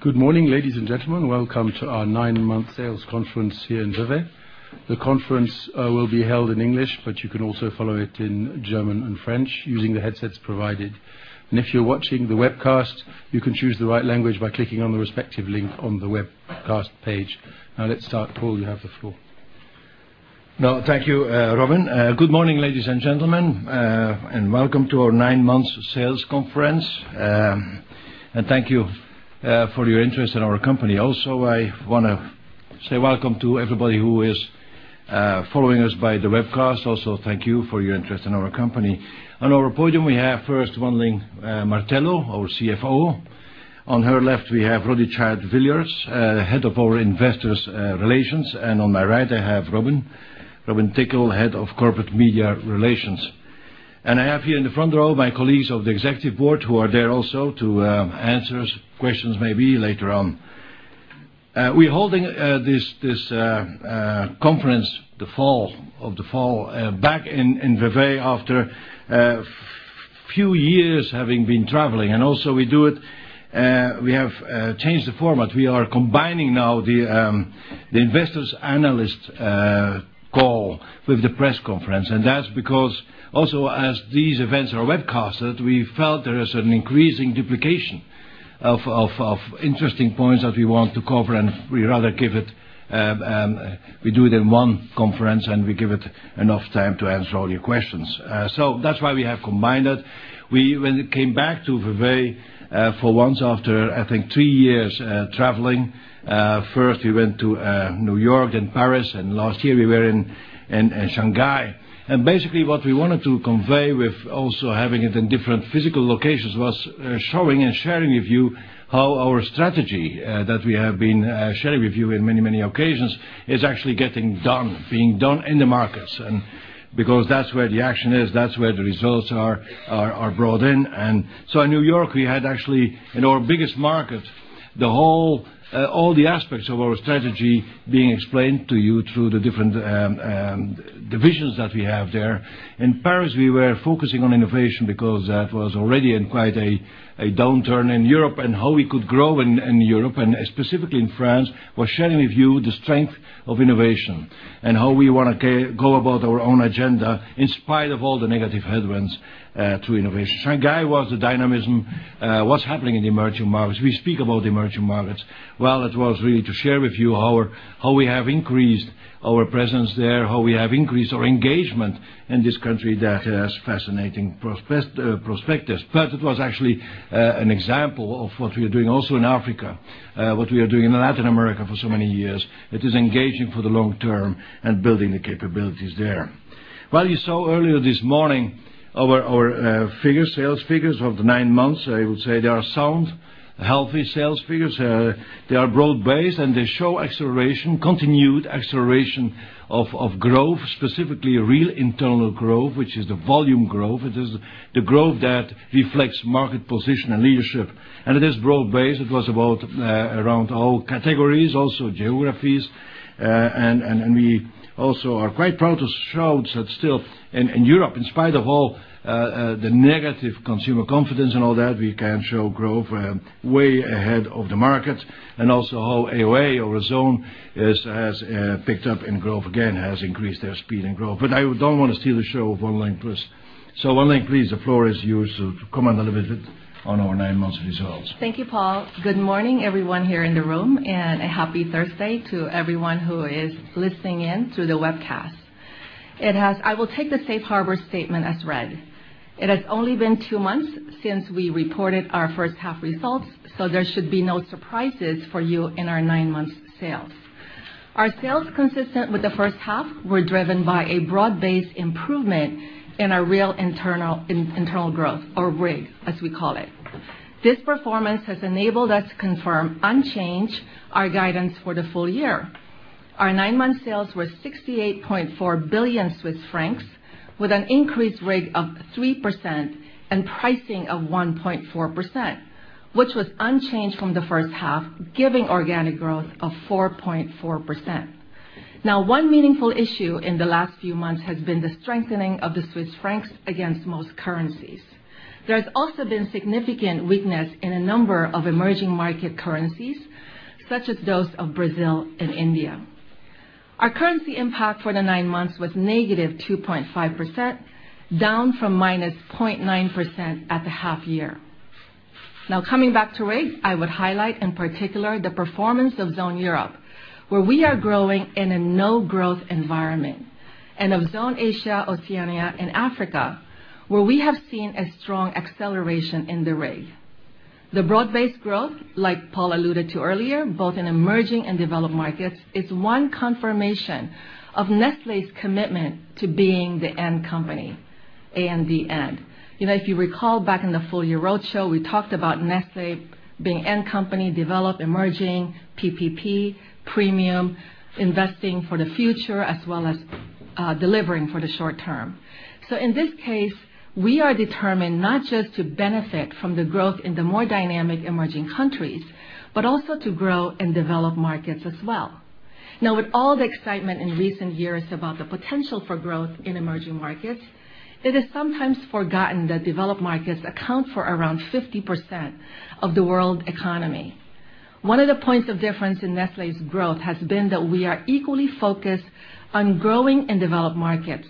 Good morning, ladies and gentlemen. Welcome to our nine-month sales conference here in Vevey. The conference will be held in English, but you can also follow it in German and French using the headsets provided. If you're watching the webcast, you can choose the right language by clicking on the respective link on the webcast page. Let's start. Paul, you have the floor. Thank you, Robin. Good morning, ladies and gentlemen, and welcome to our nine-month sales conference. Thank you for your interest in our company. I want to say welcome to everybody who is following us by the webcast. Thank you for your interest in our company. On our podium, we have first Wan Ling Martello, our CFO. On her left, we have Roddy Child-Villiers, Head of our Investor Relations. On my right, I have Robin. Robin Tickle, Head of Corporate Media Relations. I have here in the front row my colleagues of the Executive Board who are there also to answer questions maybe later on. We're holding this conference of the fall back in Vevey after few years having been traveling. Also we have changed the format. We are combining now the investor/analyst call with the press conference, that's because also as these events are webcasted, we felt there is an increasing duplication of interesting points that we want to cover. We do it in one conference, and we give it enough time to answer all your questions. That's why we have combined it. We came back to Vevey for once after, I think, three years traveling. First we went to New York, then Paris, and last year we were in Shanghai. Basically what we wanted to convey with also having it in different physical locations was showing and sharing with you how our strategy that we have been sharing with you in many occasions is actually getting done, being done in the markets. Because that's where the action is, that's where the results are brought in. In New York, we had actually in our biggest market, all the aspects of our strategy being explained to you through the different divisions that we have there. In Paris, we were focusing on innovation because that was already in quite a downturn in Europe, and how we could grow in Europe and specifically in France, was sharing with you the strength of innovation and how we want to go about our own agenda in spite of all the negative headwinds to innovation. Shanghai was the dynamism, what's happening in the emerging markets. We speak about the emerging markets. It was really to share with you how we have increased our presence there, how we have increased our engagement in this country that has fascinating prospects. It was actually an example of what we are doing also in Africa, what we are doing in Latin America for so many years. It is engaging for the long term and building the capabilities there. You saw earlier this morning our sales figures of the nine months. I would say they are sound, healthy sales figures. They are broad based, and they show continued acceleration of growth, specifically real internal growth, which is the volume growth. It is the growth that reflects market position and leadership. It is broad based. It was around all categories, also geographies. We also are quite proud to show that still in Europe, in spite of all the negative consumer confidence and all that, we can show growth way ahead of the market. Also how Zone AOA has picked up in growth again, has increased their speed and growth. I don't want to steal the show of Wan Ling. Wan Ling, please, the floor is yours to comment a little bit on our nine-month results. Thank you, Paul. Good morning, everyone here in the room, and a happy Thursday to everyone who is listening in through the webcast. I will take the safe harbor statement as read. It has only been two months since we reported our first half results, so there should be no surprises for you in our nine-month sales. Our sales, consistent with the first half, were driven by a broad-based improvement in our real internal growth or RIG, as we call it. This performance has enabled us to confirm unchanged our guidance for the full year. Our nine-month sales were 68.4 billion Swiss francs, with an increased RIG of 3% and pricing of 1.4%, which was unchanged from the first half, giving organic growth of 4.4%. One meaningful issue in the last few months has been the strengthening of the Swiss franc against most currencies. There has also been significant weakness in a number of emerging market currencies, such as those of Brazil and India. Our currency impact for the nine months was negative 2.5%, down from -0.9% at the half year. Coming back to RIG, I would highlight in particular the performance of Zone Europe, where we are growing in a no growth environment. And of Zone Asia, Oceania and Africa, where we have seen a strong acceleration in the RIG. The broad-based growth, like Paul alluded to earlier, both in emerging and developed markets, is one confirmation of Nestlé's commitment to being the AND company, A-N-D, AND. If you recall back in the full-year roadshow, we talked about Nestlé being AND company, developed, emerging, PPP, premium, investing for the future, as well as delivering for the short term. In this case, we are determined not just to benefit from the growth in the more dynamic emerging countries, but also to grow in developed markets as well. With all the excitement in recent years about the potential for growth in emerging markets, it is sometimes forgotten that developed markets account for around 50% of the world economy. One of the points of difference in Nestlé's growth has been that we are equally focused on growing in developed markets,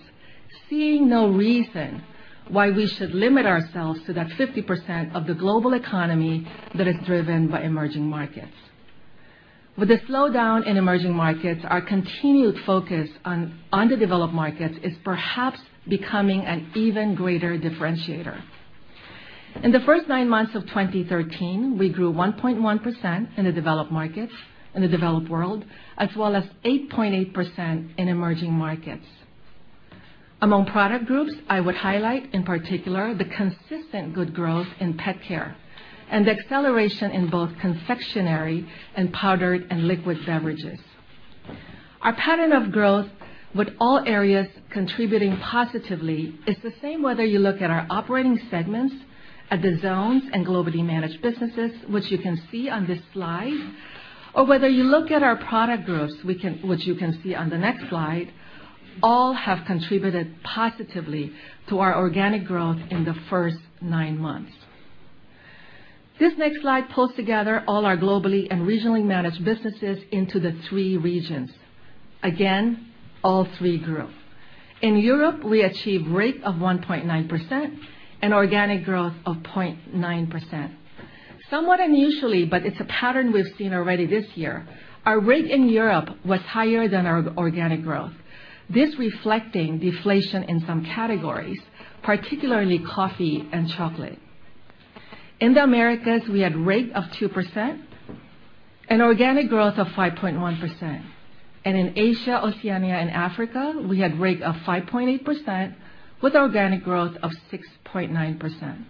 seeing no reason why we should limit ourselves to that 50% of the global economy that is driven by emerging markets. With the slowdown in emerging markets, our continued focus on the developed markets is perhaps becoming an even greater differentiator. In the first nine months of 2013, we grew 1.1% in the developed world, as well as 8.8% in emerging markets. Among product groups, I would highlight, in particular, the consistent good growth in pet care and the acceleration in both confectionery and powdered and liquid beverages. Our pattern of growth with all areas contributing positively is the same whether you look at our operating segments at the zones and globally managed businesses, which you can see on this slide, or whether you look at our product groups, which you can see on the next slide, all have contributed positively to our organic growth in the first nine months. This next slide pulls together all our globally and regionally managed businesses into the three regions. Again, all three grew. In Europe, we achieved RIG of 1.9% and organic growth of 0.9%. Somewhat unusually, but it's a pattern we've seen already this year, our RIG in Europe was higher than our organic growth. This reflecting deflation in some categories, particularly coffee and chocolate. In the Americas, we had RIG of 2% and organic growth of 5.1%. In Zone Asia, Oceania and Africa, we had RIG of 5.8% with organic growth of 6.9%.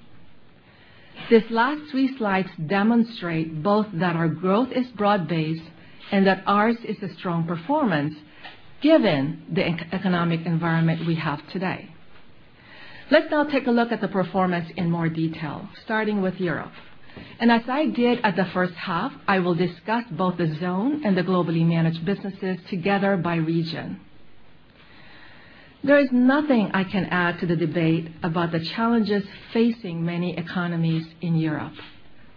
These last three slides demonstrate both that our growth is broad-based and that ours is a strong performance given the economic environment we have today. Let's now take a look at the performance in more detail, starting with Europe. As I did at the first half, I will discuss both the zone and the globally managed businesses together by region. There is nothing I can add to the debate about the challenges facing many economies in Europe.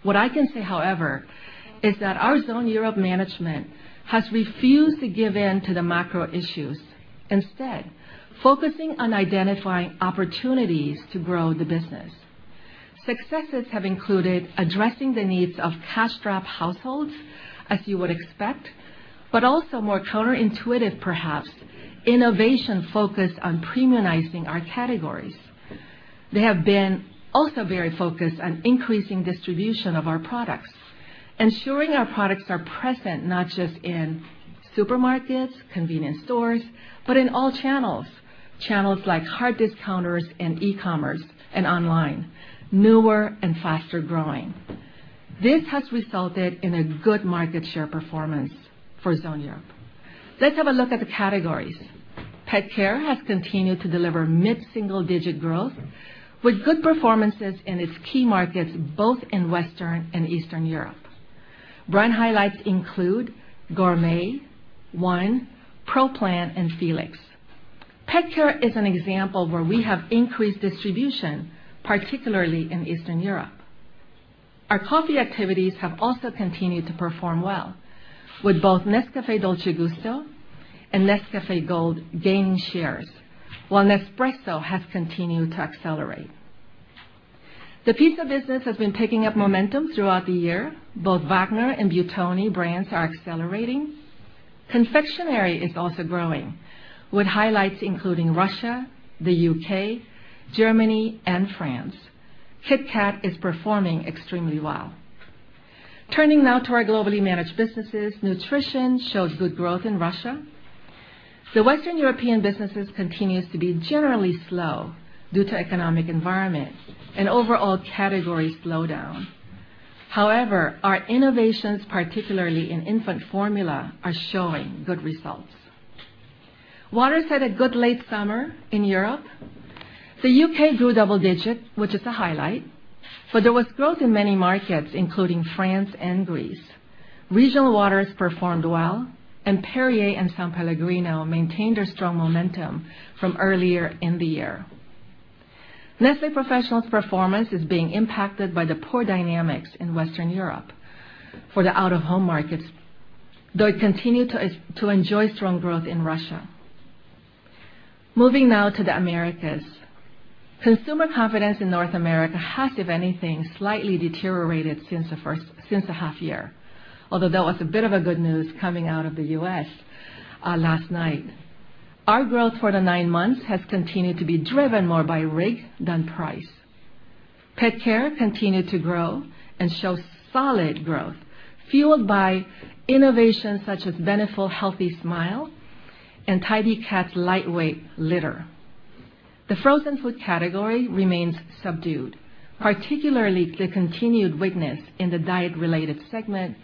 What I can say, however, is that our Zone Europe management has refused to give in to the macro issues, instead focusing on identifying opportunities to grow the business. Successes have included addressing the needs of cash-strapped households, as you would expect, but also more counterintuitive, perhaps, innovation focused on premiumizing our categories. They have been also very focused on increasing distribution of our products, ensuring our products are present not just in supermarkets, convenience stores, but in all channels. Channels like hard discounters and e-commerce and online, newer and faster-growing. This has resulted in a good market share performance for Zone Europe. Let's have a look at the categories. Pet care has continued to deliver mid-single digit growth with good performances in its key markets, both in Western and Eastern Europe. Brand highlights include Gourmet, ONE, Pro Plan, and Felix. Pet care is an example where we have increased distribution, particularly in Eastern Europe. Our coffee activities have also continued to perform well with both Nescafé Dolce Gusto and Nescafé Gold gaining shares, while Nespresso has continued to accelerate. The pizza business has been picking up momentum throughout the year. Both Wagner and Buitoni brands are accelerating. Confectionery is also growing with highlights including Russia, the U.K., Germany, and France. KitKat is performing extremely well. Turning now to our globally managed businesses, nutrition shows good growth in Russia. The Western European businesses continues to be generally slow due to economic environment and overall category slowdown. However, our innovations, particularly in infant formula, are showing good results. Waters had a good late summer in Europe. The U.K. grew double digits, which is a highlight, but there was growth in many markets, including France and Greece. Regional waters performed well, and Perrier and S.Pellegrino maintained their strong momentum from earlier in the year. Nestlé Professional's performance is being impacted by the poor dynamics in Western Europe for the out-of-home markets, though it continued to enjoy strong growth in Russia. Moving now to the Americas. Consumer confidence in North America has, if anything, slightly deteriorated since the half year, although there was a bit of a good news coming out of the U.S. last night. Our growth for the 9 months has continued to be driven more by RIG than price. Pet care continued to grow and shows solid growth fueled by innovations such as Beneful Healthy Smile and Tidy Cats LightWeight Litter. The frozen food category remains subdued, particularly the continued weakness in the diet-related segment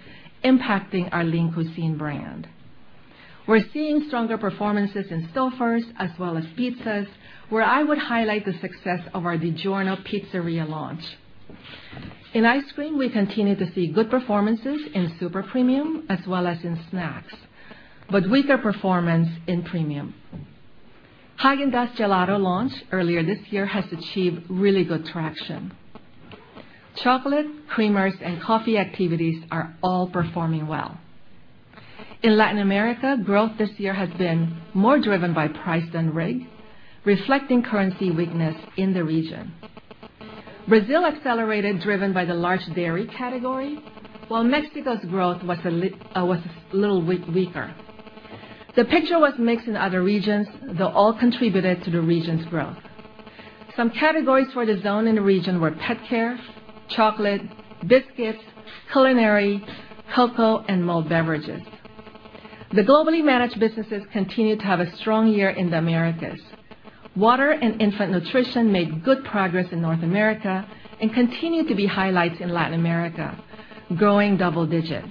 impacting our Lean Cuisine brand. We're seeing stronger performances in Stouffer's as well as pizzas, where I would highlight the success of our DiGiorno pizzeria launch. In ice cream, we continue to see good performances in super premium as well as in snacks, but weaker performance in premium. Häagen-Dazs Gelato launch earlier this year has achieved really good traction. Chocolate, creamers, and coffee activities are all performing well. In Latin America, growth this year has been more driven by price than RIG, reflecting currency weakness in the region. Brazil accelerated, driven by the large dairy category, while Mexico's growth was a little weaker. The picture was mixed in other regions, though all contributed to the region's growth. Some categories for the zone in the region were pet care, chocolate, biscuits, culinary, cocoa, and malt beverages. The globally managed businesses continue to have a strong year in the Americas. Water and infant nutrition made good progress in North America and continue to be highlights in Latin America, growing double digits.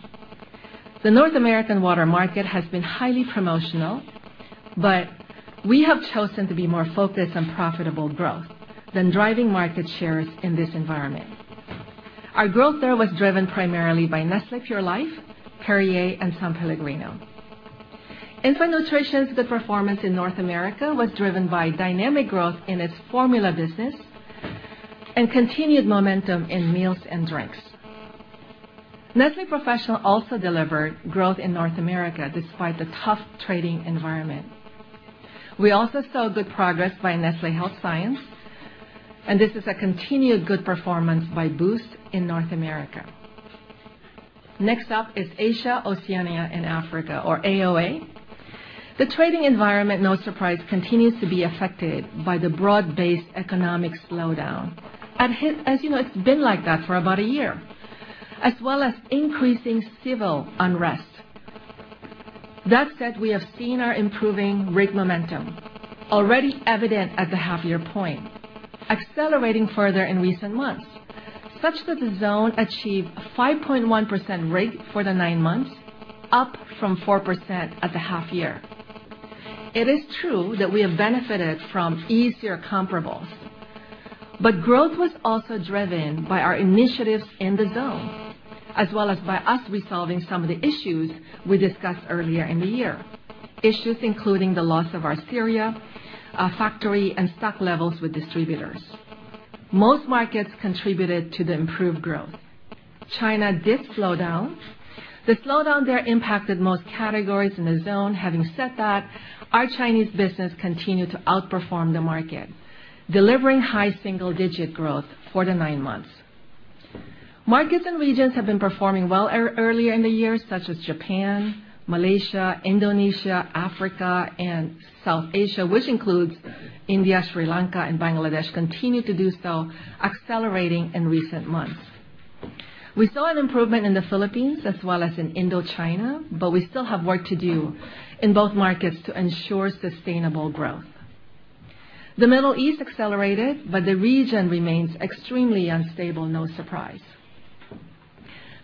The North American water market has been highly promotional, but we have chosen to be more focused on profitable growth than driving market shares in this environment. Our growth there was driven primarily by Nestlé Pure Life, Perrier, and S.Pellegrino. Infant nutrition, the performance in North America was driven by dynamic growth in its formula business and continued momentum in meals and drinks. Nestlé Professional also delivered growth in North America despite the tough trading environment. We also saw good progress by Nestlé Health Science, and this is a continued good performance by Boost in North America. Next up is Asia, Oceania and Africa or AOA. The trading environment, no surprise, continues to be affected by the broad-based economic slowdown. As you know, it's been like that for about a year, as well as increasing civil unrest. That said, we have seen our improving RIG momentum, already evident at the half year point, accelerating further in recent months, such that the zone achieved a 5.8% rate for the nine months, up from 4% at the half year. It is true that we have benefited from easier comparables, but growth was also driven by our initiatives in the zone, as well as by us resolving some of the issues we discussed earlier in the year. Issues including the loss of our Syria factory and stock levels with distributors. Most markets contributed to the improved growth. China did slow down. The slowdown there impacted most categories in the zone. Having said that, our Chinese business continued to outperform the market, delivering high single-digit growth for the nine months. Markets and regions have been performing well earlier in the year, such as Japan, Malaysia, Indonesia, Africa and South Asia, which includes India, Sri Lanka, and Bangladesh, continued to do so, accelerating in recent months. We saw an improvement in the Philippines as well as in Indochina, but we still have work to do in both markets to ensure sustainable growth. The Middle East accelerated, but the region remains extremely unstable, no surprise.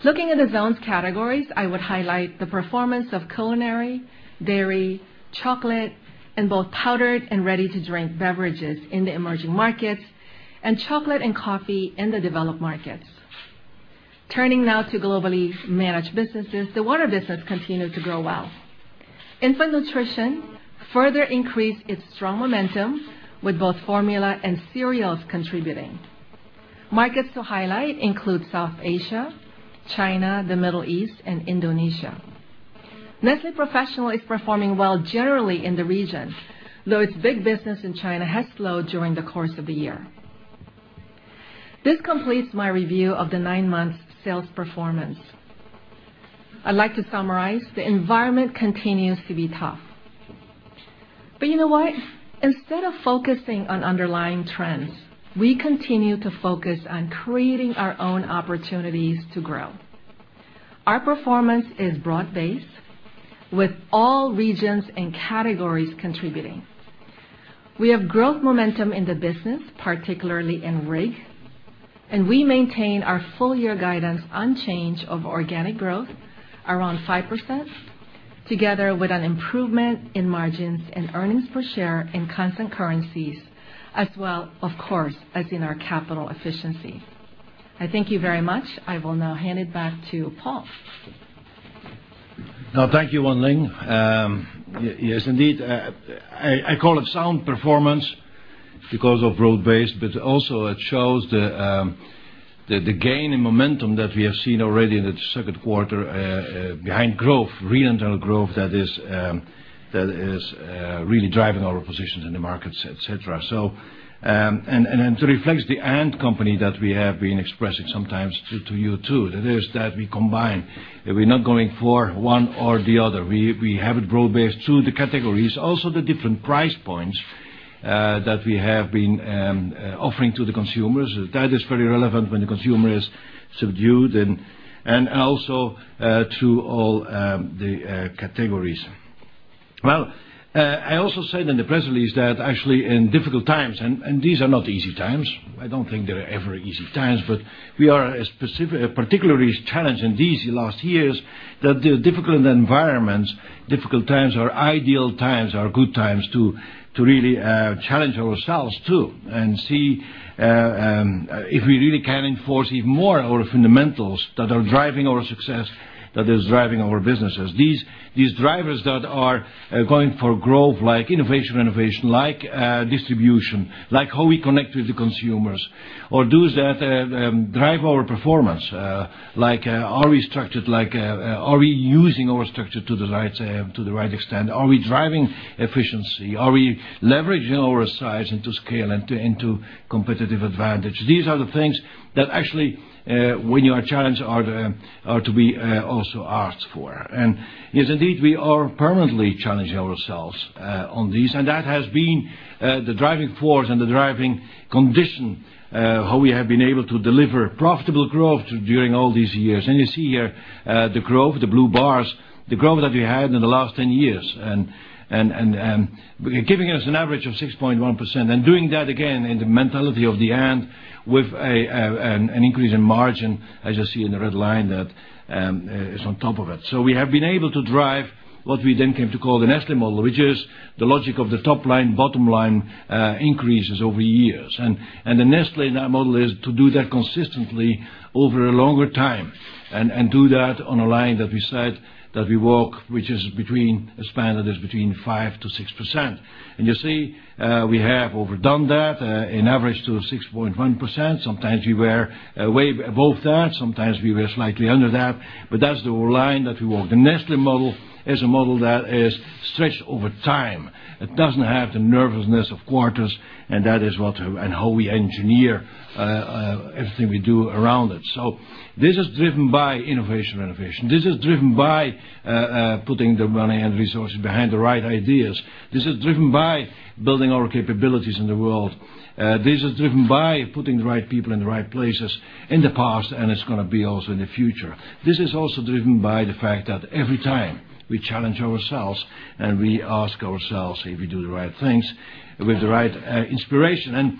Looking at the zone's categories, I would highlight the performance of culinary, dairy, chocolate, and both powdered and ready-to-drink beverages in the emerging markets, and chocolate and coffee in the developed markets. Turning now to globally managed businesses. The water business continued to grow well. Infant nutrition further increased its strong momentum, with both formula and cereals contributing. Markets to highlight include South Asia, China, the Middle East and Indonesia. Nestlé Professional is performing well generally in the region, though its big business in China has slowed during the course of the year. This completes my review of the nine months' sales performance. I'd like to summarize: the environment continues to be tough. You know what? Instead of focusing on underlying trends, we continue to focus on creating our own opportunities to grow. Our performance is broad-based, with all regions and categories contributing. We have growth momentum in the business, particularly in RIG, and we maintain our full year guidance unchanged of organic growth around 5%, together with an improvement in margins and earnings per share in constant currencies as well, of course, as in our capital efficiency. I thank you very much. I will now hand it back to Paul. No, thank you, Wan Ling. Yes, indeed. I call it sound performance because of broad base, but also it shows the gain in momentum that we have seen already in the second quarter behind growth, real internal growth that is really driving our positions in the markets, et cetera. To reflect the and company that we have been expressing sometimes to you, too, that is that we combine. That we're not going for one or the other. We have it broad based through the categories. Also, the different price points that we have been offering to the consumers. That is very relevant when the consumer is subdued and also to all the categories. Well, I also said in the press release that actually in difficult times, and these are not easy times, I don't think they are ever easy times, but we are particularly challenged in these last years, that the difficult environments, difficult times are ideal times, are good times to really challenge ourselves too, and see if we really can enforce even more our fundamentals that are driving our success, that is driving our businesses. These drivers that are going for growth like innovation renovation, like distribution, like how we connect with the consumers, or those that drive our performance. Like are we structured? Are we using our structure to the right extent? Are we driving efficiency? Are we leveraging our size into scale and into competitive advantage? These are the things that actually, when you are challenged, are to be also asked for. Yes, indeed, we are permanently challenging ourselves on these, and that has been the driving force and the driving condition, how we have been able to deliver profitable growth during all these years. You see here, the growth, the blue bars, the growth that we had in the last 10 years. Giving us an average of 6.1%. Doing that again in the mentality of the and, with an increase in margin, as you see in the red line that is on top of it. We have been able to drive what we then came to call the Nestlé Model, which is the logic of the top line, bottom line increases over years. The Nestlé Model is to do that consistently over a longer time, and do that on a line that we said that we work, which is a span that is between 5%-6%. You see, we have overdone that, in average to 6.1%. Sometimes we were way above that, sometimes we were slightly under that. That's the line that we work. The Nestlé Model is a model that is stretched over time. It doesn't have the nervousness of quarters, and how we engineer everything we do around it. This is driven by innovation renovation. This is driven by putting the money and resources behind the right ideas. This is driven by building our capabilities in the world. This is driven by putting the right people in the right places in the past, and it's going to be also in the future. This is also driven by the fact that every time we challenge ourselves, and we ask ourselves if we do the right things with the right inspiration.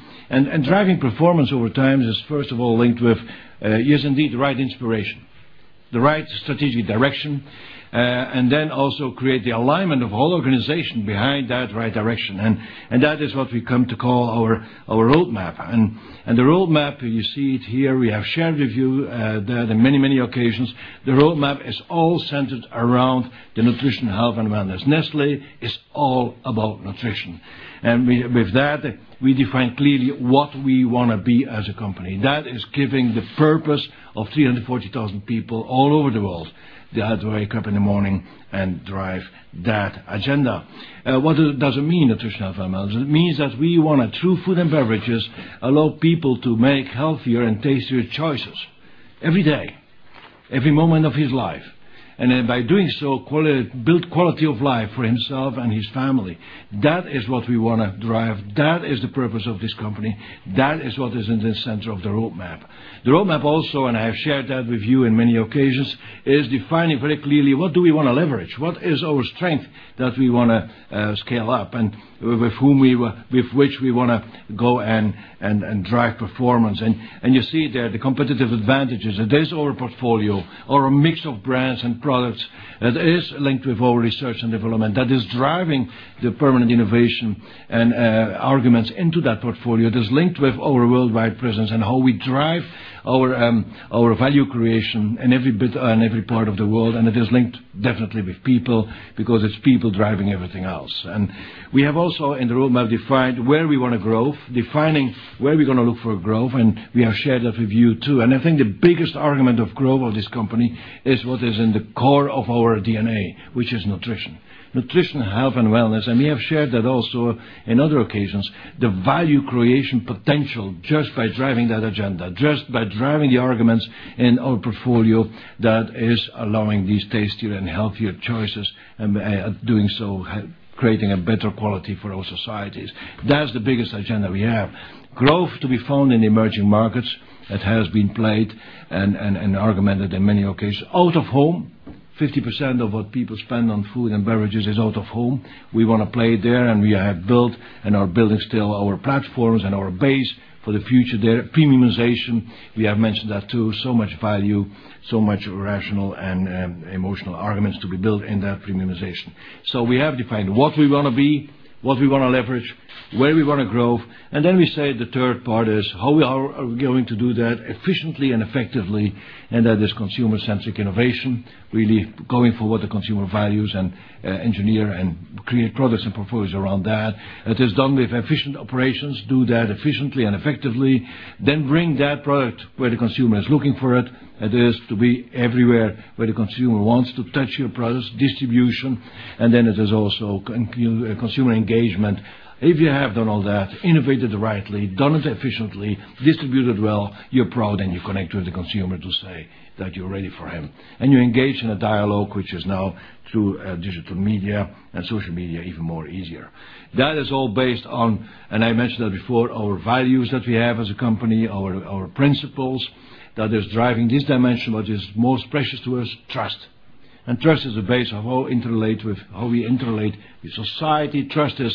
Driving performance over time is first of all linked with, yes, indeed, the right inspiration, the right strategic direction, and then also create the alignment of all organization behind that right direction. That is what we come to call our roadmap. The roadmap, you see it here, we have shared with you that in many, many occasions. The roadmap is all centered around the Nutrition, Health, and Wellness. Nestlé is all about nutrition. With that, we define clearly what we want to be as a company. That is giving the purpose of 340,000 people all over the world that have to wake up in the morning and drive that agenda. What does it mean, Nutrition, Health, and Wellness? It means that we want to, through food and beverages, allow people to make healthier and tastier choices every day, every moment of his life. By doing so, build quality of life for himself and his family. That is what we want to drive. That is the purpose of this company. That is what is in the center of the roadmap. The roadmap also, and I have shared that with you in many occasions, is defining very clearly what do we want to leverage? What is our strength that we want to scale up? With which we want to go and drive performance. You see there the competitive advantages. It is our portfolio, our mix of brands and products, that is linked with our research and development, that is driving the permanent innovation and arguments into that portfolio, that is linked with our worldwide presence and how we drive our value creation in every part of the world. It is linked definitely with people, because it's people driving everything else. We have also in the roadmap defined where we want to growth, defining where we're going to look for growth, and we have shared that with you, too. I think the biggest argument of growth of this company is what is in the core of our DNA, which is nutrition. Nutrition, health, and wellness. We have shared that also in other occasions, the value creation potential just by driving that agenda, just by driving the arguments in our portfolio that is allowing these tastier and healthier choices, and doing so, creating a better quality for all societies. That's the biggest agenda we have. Growth to be found in emerging markets. That has been played and argumented in many occasions. Out of home, 50% of what people spend on food and beverages is out of home. We want to play there, and we have built and are building still our platforms and our base for the future there. Premiumization, we have mentioned that, too. Much value, so much rational and emotional arguments to be built in that premiumization. We have defined what we want to be, what we want to leverage, where we want to grow. We say the third part is how we are going to do that efficiently and effectively, and that is consumer-centric innovation, really going for what the consumer values and engineer and create products and proposals around that. That is done with efficient operations, do that efficiently and effectively. Bring that product where the consumer is looking for it. That is to be everywhere where the consumer wants to touch your products, distribution. It is also consumer engagement. If you have done all that, innovated rightly, done it efficiently, distributed well, you're proud and you connect with the consumer to say that you're ready for him. You engage in a dialogue, which is now through digital media and social media, even more easier. That is all based on, and I mentioned that before, our values that we have as a company, our principles that is driving this dimension, but is most precious to us, trust. Trust is the base of how interrelate with how we interrelate with society. Trust is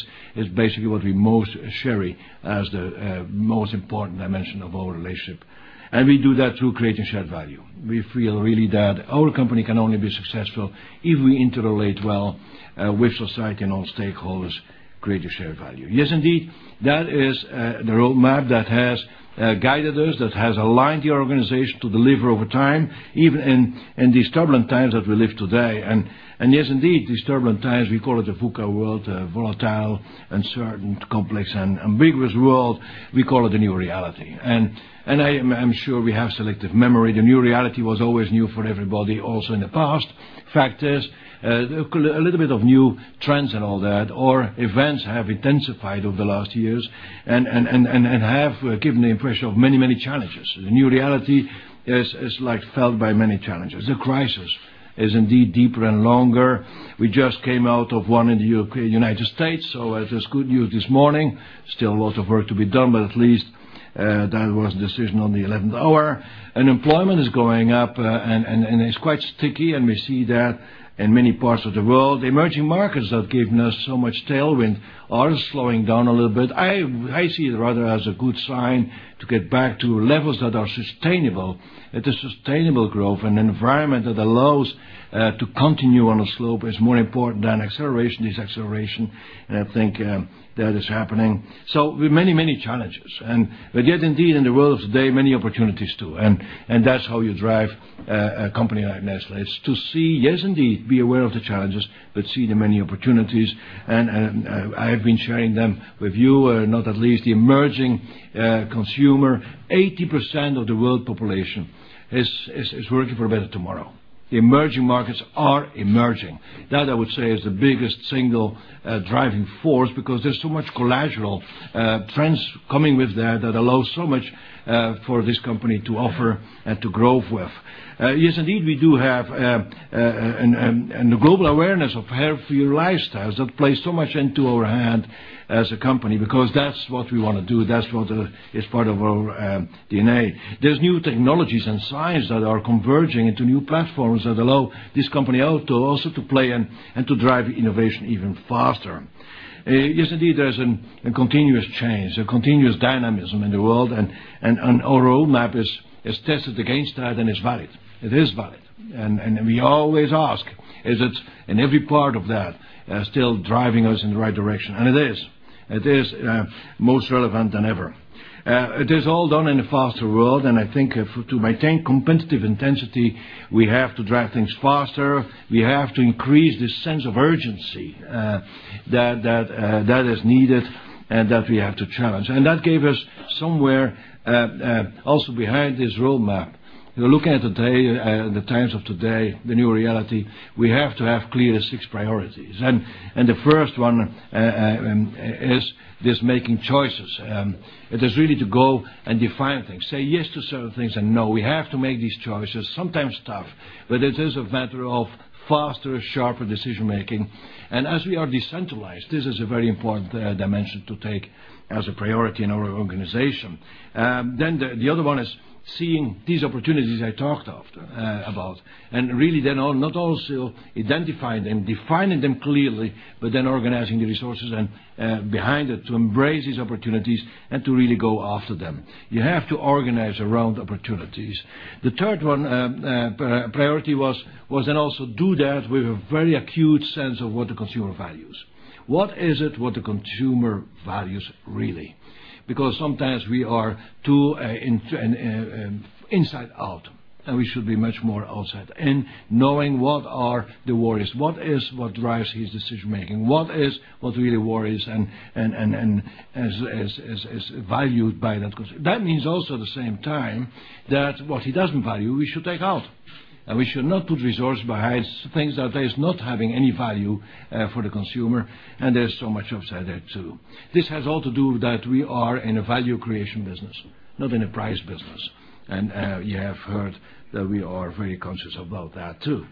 basically what we most share as the most important dimension of our relationship, and we do that through creating shared value. We feel really that our company can only be successful if we interrelate well with society and all stakeholders, creating shared value. Yes, indeed, that is the roadmap that has guided us, that has aligned the organization to deliver over time, even in these turbulent times that we live today. Yes, indeed, these turbulent times, we call it the VUCA world, volatile, uncertain, complex, and ambiguous world. We call it the new reality. I am sure we have selective memory. The new reality was always new for everybody, also in the past. Fact is, a little bit of new trends and all that, or events have intensified over the last years and have given the impression of many challenges. The new reality is felt by many challenges. The crisis is indeed deeper and longer. We just came out of one in the United States, so it is good news this morning. Still a lot of work to be done, but at least that was a decision on the 11th hour. Unemployment is going up, and it's quite sticky, and we see that in many parts of the world. Emerging markets that have given us so much tailwind are slowing down a little bit. I see it rather as a good sign to get back to levels that are sustainable. The sustainable growth and environment that allows to continue on a slope is more important than acceleration. It's acceleration, and I think that is happening. With many challenges, and yet indeed in the world today, many opportunities, too. That's how you drive a company like Nestlé, is to see, yes indeed, be aware of the challenges, but see the many opportunities. I have been sharing them with you, not at least the emerging consumer. 80% of the world population is working for a better tomorrow. The emerging markets are emerging. That, I would say, is the biggest single driving force because there's so much collateral trends coming with that allow so much for this company to offer and to grow with. Yes, indeed, the global awareness of healthier lifestyles, that play so much into our hand as a company because that's what we want to do. That's what is part of our DNA. There's new technologies and science that are converging into new platforms that allow this company also to play and to drive innovation even faster. Yes, indeed, there's a continuous change, a continuous dynamism in the world, and our roadmap is tested against that and is valid. It is valid. We always ask, is it in every part of that still driving us in the right direction? It is. It is most relevant than ever. It is all done in a faster world, and I think to maintain competitive intensity, we have to drive things faster. We have to increase this sense of urgency that is needed and that we have to challenge. That gave us somewhere also behind this roadmap. Look at today, the times of today, the new reality, we have to have clear six priorities. The first one is this making choices. It is really to go and define things, say yes to certain things and no. We have to make these choices, sometimes tough, but it is a matter of faster, sharper decision-making. As we are decentralized, this is a very important dimension to take as a priority in our organization. The other one is seeing these opportunities I talked about. Really then not also identifying them, defining them clearly, but then organizing the resources behind it to embrace these opportunities and to really go after them. You have to organize around opportunities. The third one, priority was also do that with a very acute sense of what the consumer values. What is it what the consumer values really? Because sometimes we are too inside out, and we should be much more outside. Knowing what are the worries, what is what drives his decision-making, what is what really worries and is valued by that consumer. That means also the same time that what he doesn't value, we should take out, and we should not put resource behind things that is not having any value for the consumer, and there's so much upside there, too. This has all to do that we are in a value creation business, not in a price business. You have heard that we are very conscious about that, too.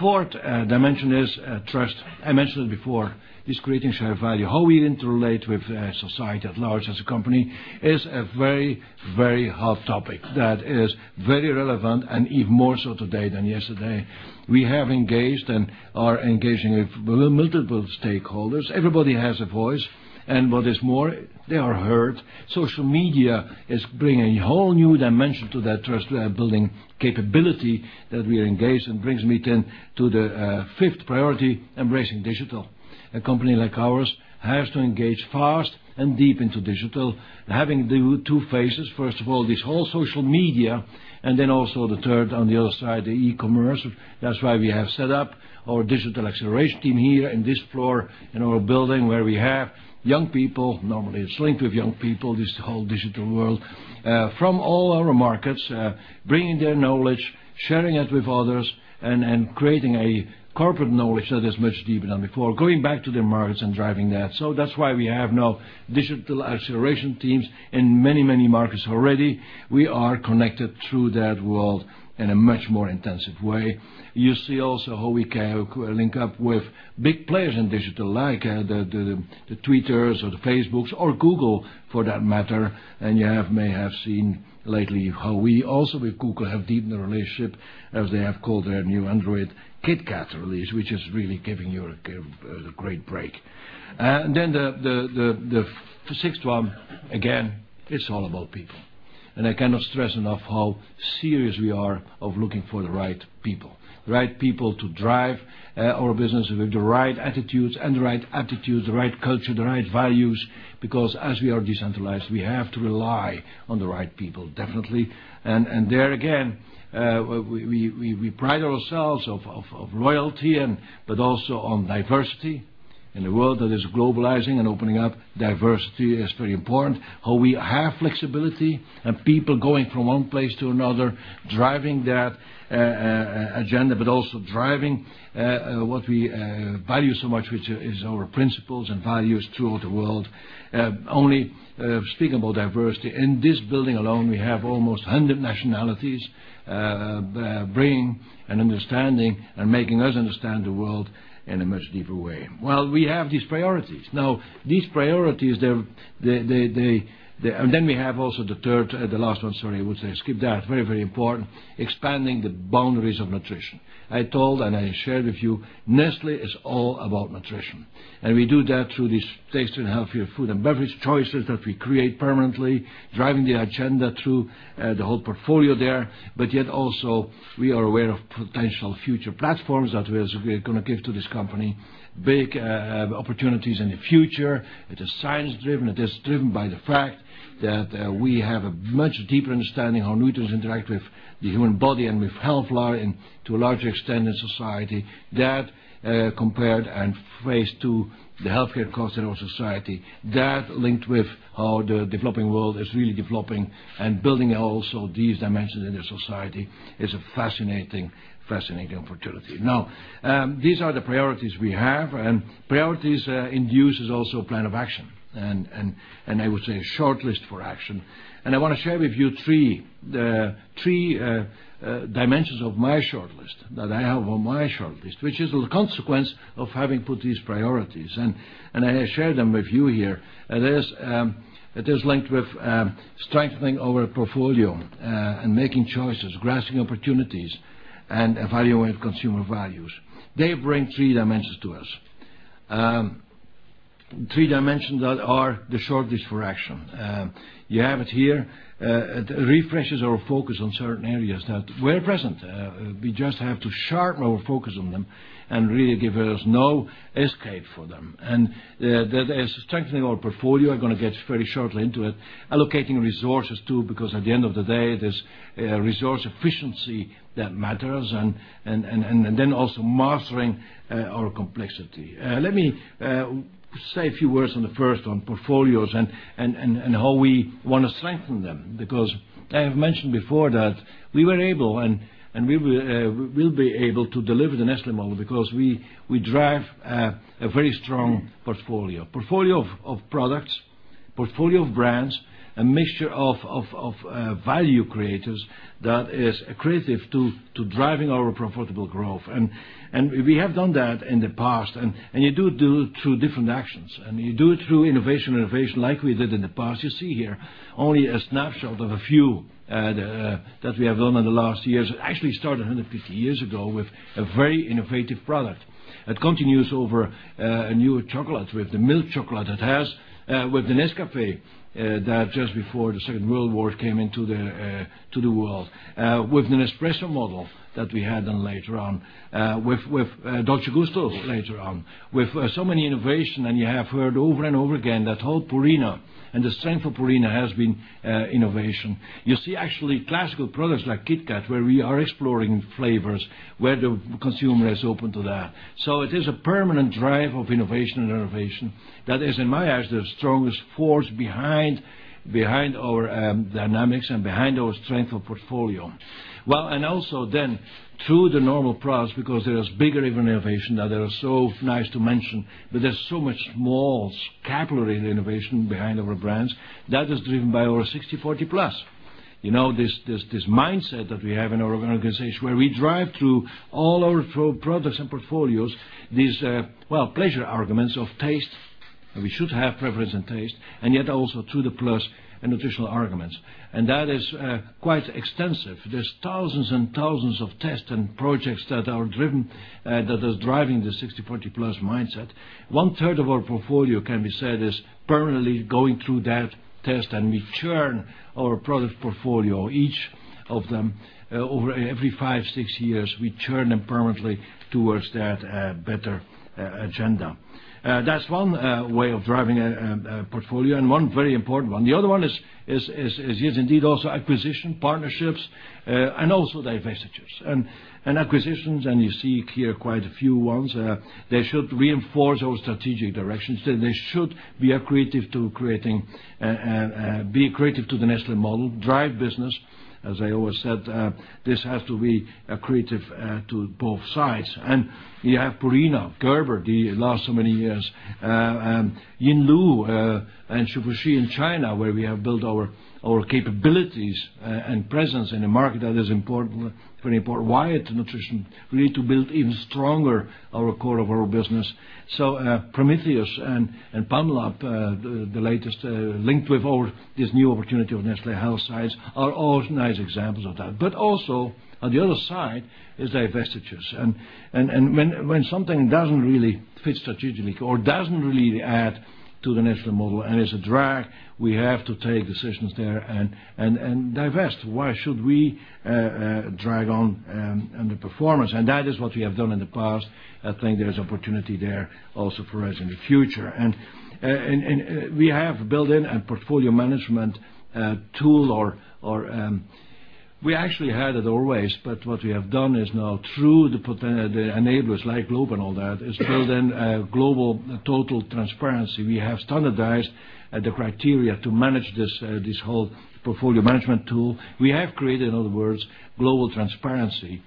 Fourth dimension is trust. I mentioned before, this creating shared value. How we interrelate with society at large as a company is a very hot topic that is very relevant and even more so today than yesterday. We have engaged and are engaging with multiple stakeholders. Everybody has a voice, and what is more, they are heard. Social media is bringing a whole new dimension to that trust building capability that we are engaged in. Brings me to the fifth priority, embracing digital. A company like ours has to engage fast and deep into digital, having two phases. First of all, this whole social media, and then also the third on the other side, the e-commerce. That's why we have set up our Digital Acceleration Team here in this floor in our building, where we have young people, normally it's linked with young people, this whole digital world, from all our markets, bringing their knowledge, sharing it with others, and creating a corporate knowledge that is much deeper than before, going back to the markets and driving that. That's why we have now Digital Acceleration Teams in many markets already. We are connected through that world in a much more intensive way. You see also how we can link up with big players in digital, like the Twitter or the Facebook or Google, for that matter. You may have seen lately how we also with Google have deepened the relationship as they have called their new Android KitKat release, which is really giving you a great break. The sixth one, again, it's all about people. I cannot stress enough how serious we are of looking for the right people. The right people to drive our business with the right attitudes and the right aptitudes, the right culture, the right values. As we are decentralized, we have to rely on the right people, definitely. There again, we pride ourselves of loyalty, but also on diversity. In a world that is globalizing and opening up, diversity is very important. How we have flexibility and people going from one place to another, driving that agenda, but also driving what we value so much, which is our principles and values throughout the world. Only speaking about diversity, in this building alone, we have almost 100 nationalities, bringing an understanding and making us understand the world in a much deeper way. Well, we have these priorities. These priorities, we have also the third, the last one, sorry, I would say skip that. Very important, expanding the boundaries of nutrition. I told and I shared with you, Nestlé is all about nutrition, and we do that through these tasty and healthier food and beverage choices that we create permanently, driving the agenda through the whole portfolio there. Yet also, we are aware of potential future platforms that we are going to give to this company. Big opportunities in the future. It is science-driven. It is driven by the fact that we have a much deeper understanding how nutrients interact with the human body and with health to a larger extent in society. Compared and phased to the healthcare costs in our society, that linked with how the developing world is really developing and building also these dimensions in their society is a fascinating opportunity. These are the priorities we have, and priorities induce also a plan of action, and I would say a short list for action. I want to share with you three dimensions of my short list, that I have on my short list, which is a consequence of having put these priorities. I share them with you here. It is linked with strengthening our portfolio and making choices, grasping opportunities, and evaluating consumer values. They bring three dimensions to us. Three dimensions that are the short list for action. You have it here. It refreshes our focus on certain areas that were present. We just have to sharpen our focus on them and really give us no escape for them. There is strengthening our portfolio. I'm going to get very shortly into it. Allocating resources, too, because at the end of the day, there's resource efficiency that matters, and then also mastering our complexity. Let me say a few words on the first, on portfolios, and how we want to strengthen them, because I have mentioned before that we were able and we will be able to deliver the Nestlé Model because we drive a very strong portfolio. Portfolio of products, portfolio of brands, a mixture of value creators that is accretive to driving our profitable growth. We have done that in the past, and you do it through different actions, and you do it through innovation like we did in the past. You see here only a snapshot of a few that we have done in the last years. It actually started 150 years ago with a very innovative product that continues over a new chocolate, with the milk chocolate. It has with the Nescafé that just before the Second World War came into the world. With the Nespresso model that we had done later on, with Dolce Gusto later on. With so many innovation, you have heard over and over again that whole Purina and the strength of Purina has been innovation. You see actually classical products like KitKat, where we are exploring flavors, where the consumer is open to that. It is a permanent drive of innovation that is, in my eyes, the strongest force behind our dynamics and behind our strength of portfolio. Also then through the normal products, because there is bigger even innovation that are so nice to mention, but there's so much more capillary innovation behind our brands that is driven by our 60/40+. This mindset that we have in our organization where we drive through all our products and portfolios, these pleasure arguments of taste, and we should have preference and taste, and yet also through the Plus and nutritional arguments. That is quite extensive. There's thousands and thousands of tests and projects that are driven, that is driving the 60/40+ mindset. One third of our portfolio can be said is permanently going through that test, and we turn our product portfolio, each of them, over every five, six years, we turn them permanently towards that better agenda. That's one way of driving a portfolio and one very important one. The other one is yes, indeed, also acquisition, partnerships, and also divestitures. Acquisitions, and you see here quite a few ones, they should reinforce our strategic directions. They should be accretive to creating, be accretive to the Nestlé Model, drive business. As I always said, this has to be accretive to both sides. You have Purina, Gerber, the last so many years. Yinlu and Hsu Fu Chi in China, where we have built our capabilities and presence in a market that is important for Wyeth Nutrition. We need to build even stronger our core of our business. Prometheus and Pamlab, the latest link with all this new opportunity of Nestlé Health Science are all nice examples of that. Also on the other side is divestitures. When something doesn't really fit strategically or doesn't really add to the Nestlé Model and is a drag, we have to take decisions there and divest. Why should we drag on the performance? That is what we have done in the past. I think there is opportunity there also for us in the future. We actually had it always, but what we have done is now through the enablers like GLOBE and all that, is build in global total transparency. We have standardized the criteria to manage this whole portfolio management tool. We have created, in other words, global transparency.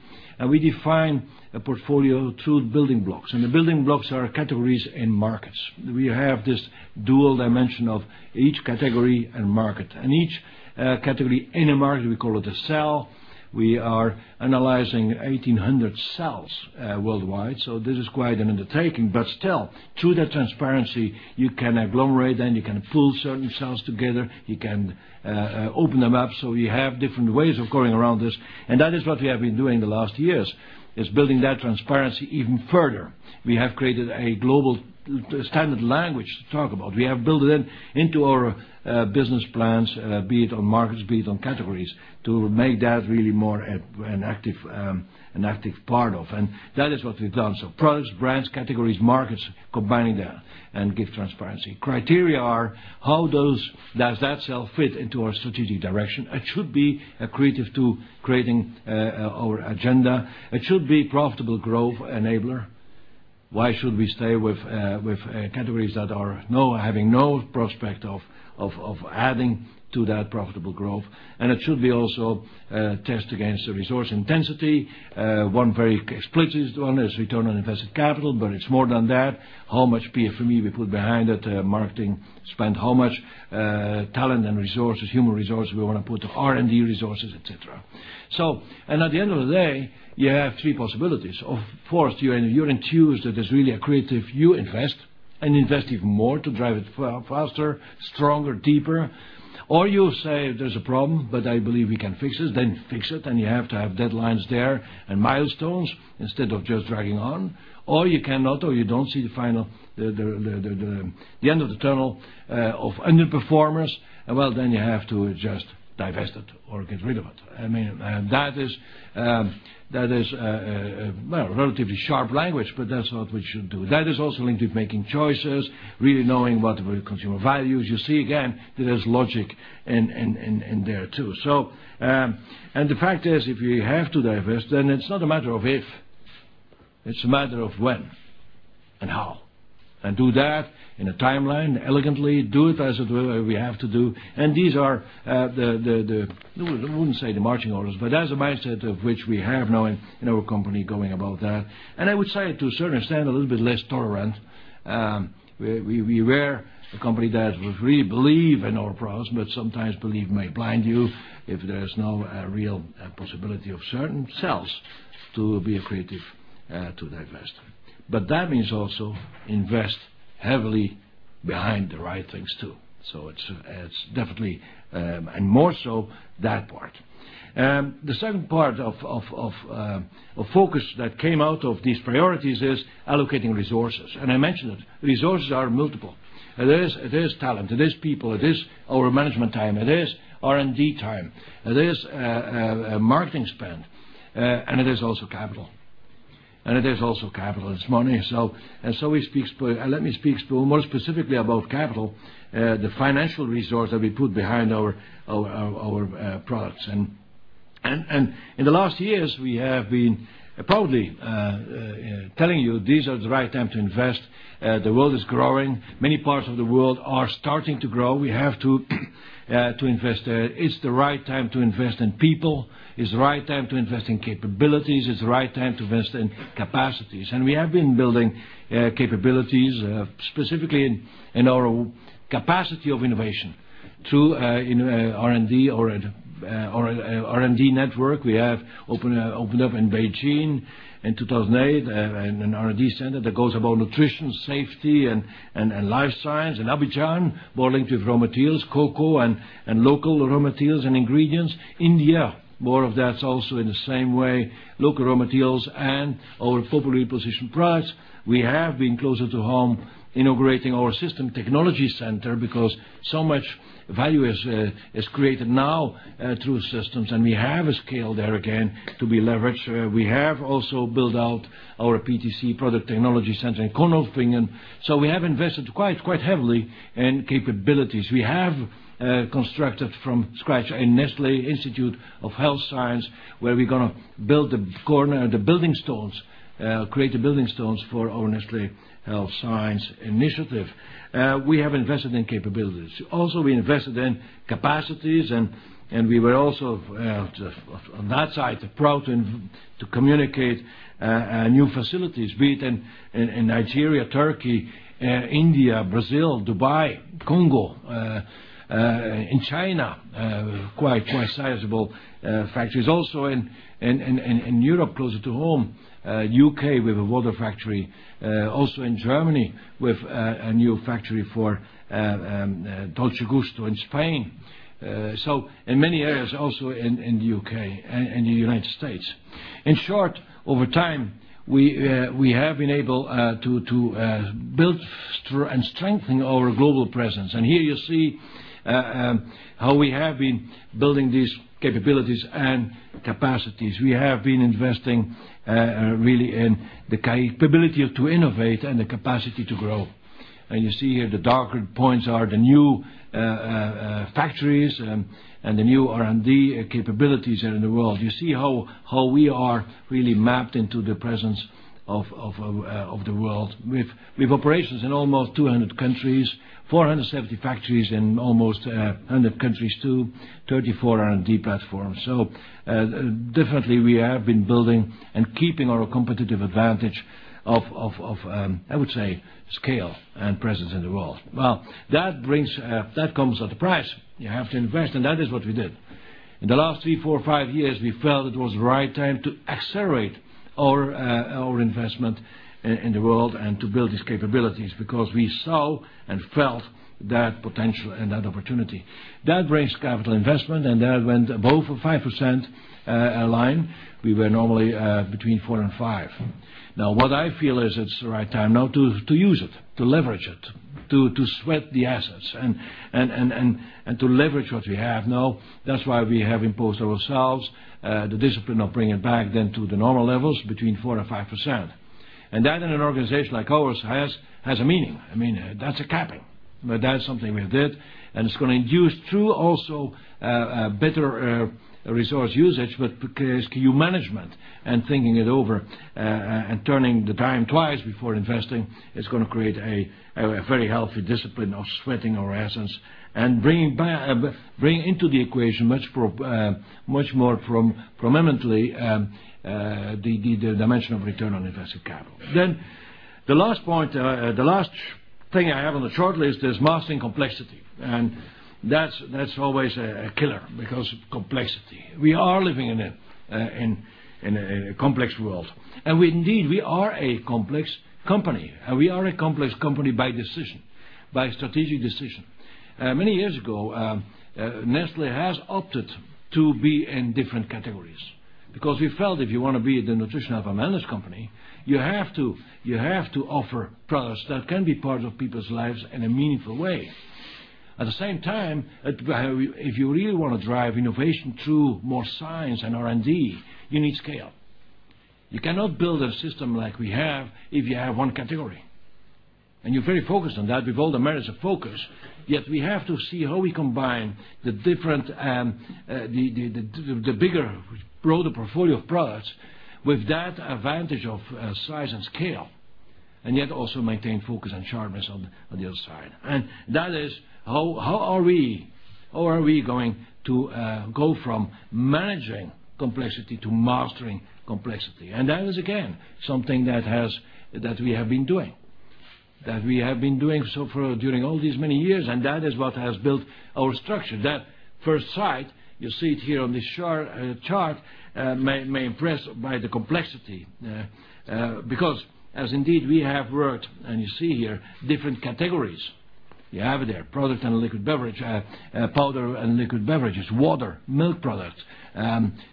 We define a portfolio through building blocks, and the building blocks are categories and markets. We have this dual dimension of each category and market. Each category in a market, we call it a cell. We are analyzing 1,800 cells worldwide. This is quite an undertaking. Still, through that transparency, you can agglomerate and you can pull certain cells together, you can open them up so you have different ways of going around this. That is what we have been doing the last years, is building that transparency even further. We have created a global standard language to talk about. We have built it into our business plans, be it on markets, be it on categories, to make that really more an active part of. That is what we've done. Products, brands, categories, markets, combining that and give transparency. Criteria are. How does that cell fit into our strategic direction? It should be accretive to creating our agenda. It should be profitable growth enabler. Why should we stay with categories that are having no prospect of adding to that profitable growth? It should be also test against the resource intensity. One very explicit one is return on invested capital, but it's more than that. How much PFME we put behind it, marketing spend, how much talent and resources, human resources we want to put, R&D resources, et cetera. At the end of the day, you have three possibilities. Of course, you're enthused that it's really accretive. You invest and invest even more to drive it faster, stronger, deeper, or you say there's a problem, but I believe we can fix it, then fix it, and you have to have deadlines there and milestones instead of just dragging on. You cannot, or you don't see the end of the tunnel of underperformers, well, then you have to just divest it or get rid of it. That is a relatively sharp language, but that's what we should do. That is also linked with making choices, really knowing what will consumer value. As you see, again, there is logic in there, too. The fact is, if you have to divest, then it's not a matter of if, it's a matter of when and how. Do that in a timeline, elegantly do it as we have to do. These are the, I wouldn't say the marching orders, but as a mindset of which we have now in our company going about that. I would say to a certain extent, a little bit less tolerant. We were a company that would really believe in our promise, but sometimes belief may blind you if there's no real possibility of certain cells to be accretive to divest. That means also invest heavily behind the right things, too. It's definitely, and more so that part. The second part of focus that came out of these priorities is allocating resources. I mentioned it, resources are multiple. It is talent, it is people, it is our management time, it is R&D time, it is marketing spend, and it is also capital. It's money. Let me speak more specifically about capital, the financial resource that we put behind our products. In the last years, we have been proudly telling you this is the right time to invest. The world is growing. Many parts of the world are starting to grow. We have to invest there. It's the right time to invest in people. It's the right time to invest in capabilities. It's the right time to invest in capacities. We have been building capabilities, specifically in our capacity of innovation through R&D or R&D network. We have opened up in Beijing in 2008, an R&D center that goes about nutrition, safety, and life science. In Abidjan, more linked with raw materials, cocoa, and local raw materials and ingredients. India, more of that also in the same way, local raw materials and our portfolio position products. We have been closer to home, integrating our system technology center because so much value is created now through systems, and we have a scale there again to be leveraged. We have also built out our PTC, Product Technology Center in Konolfingen. We have invested quite heavily in capabilities. We have constructed from scratch a Nestlé Institute of Health Sciences, where we are going to build the corner, the building stones, create the building stones for our Nestlé Health Science initiative. We have invested in capabilities. Also, we invested in capacities, and we were also, on that side, proud to communicate new facilities, be it in Nigeria, Turkey, India, Brazil, Dubai, Congo, in China, quite sizable factories. Also in Europe, closer to home, U.K., we have a water factory, also in Germany, we have a new factory for Dolce Gusto in Spain. So in many areas, also in the U.K. and the United States. In short, over time, we have been able to build and strengthen our global presence. Here you see how we have been building these capabilities and capacities. We have been investing really in the capability to innovate and the capacity to grow. You see here the darker points are the new factories and the new R&D capabilities in the world. You see how we are really mapped into the presence of the world. We have operations in almost 200 countries, 470 factories in almost 100 countries too, 34 R&D platforms. So definitely we have been building and keeping our competitive advantage of, I would say, scale and presence in the world. Well, that comes at a price. You have to invest, and that is what we did. In the last three, four, five years, we felt it was the right time to accelerate our investment in the world and to build these capabilities because we saw and felt that potential and that opportunity. That raised capital investment, and that went above a 5% line. We were normally between 4% and 5%. Now, what I feel is it's the right time now to use it, to leverage it, to sweat the assets, and to leverage what we have now. That's why we have imposed ourselves the discipline of bringing it back then to the normal levels between 4% and 5%. That in an organization like ours has a meaning. That's a capping. That's something we did, and it's going to induce true, also, better resource usage, because SKU management and thinking it over, and turning the time twice before investing is going to create a very healthy discipline of sweating our assets and bringing into the equation much more prominently the dimension of return on invested capital. The last point, the last thing I have on the short list is mastering complexity. That's always a killer because complexity. We are living in a complex world. We indeed are a complex company. We are a complex company by decision, by strategic decision. Many years ago, Nestlé has opted to be in different categories because we felt if you want to be the nutritional wellness company, you have to offer products that can be part of people's lives in a meaningful way. At the same time, if you really want to drive innovation through more science and R&D, you need scale. You cannot build a system like we have if you have one category. You're very focused on that. We've all the merits of focus, yet we have to see how we combine the different, the bigger, broader portfolio of products with that advantage of size and scale, yet also maintain focus and sharpness on the other side. That is how are we going to go from managing complexity to mastering complexity? That is, again, something that we have been doing. That we have been doing so during all these many years, and that is what has built our structure. That first sight, you see it here on this chart, may impress by the complexity. As indeed we have worked, you see here, different categories. You have there product and liquid beverage, powder and liquid beverages, water, milk products,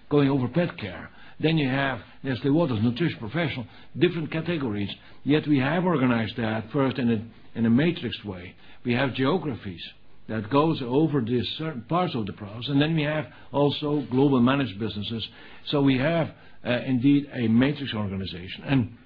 going over pet care. You have Nestlé Waters, Nutrition, Professional, different categories. Yet we have organized that first in a matrix way. We have geographies that goes over this certain parts of the products, we have also global managed businesses. We have indeed a matrix organization.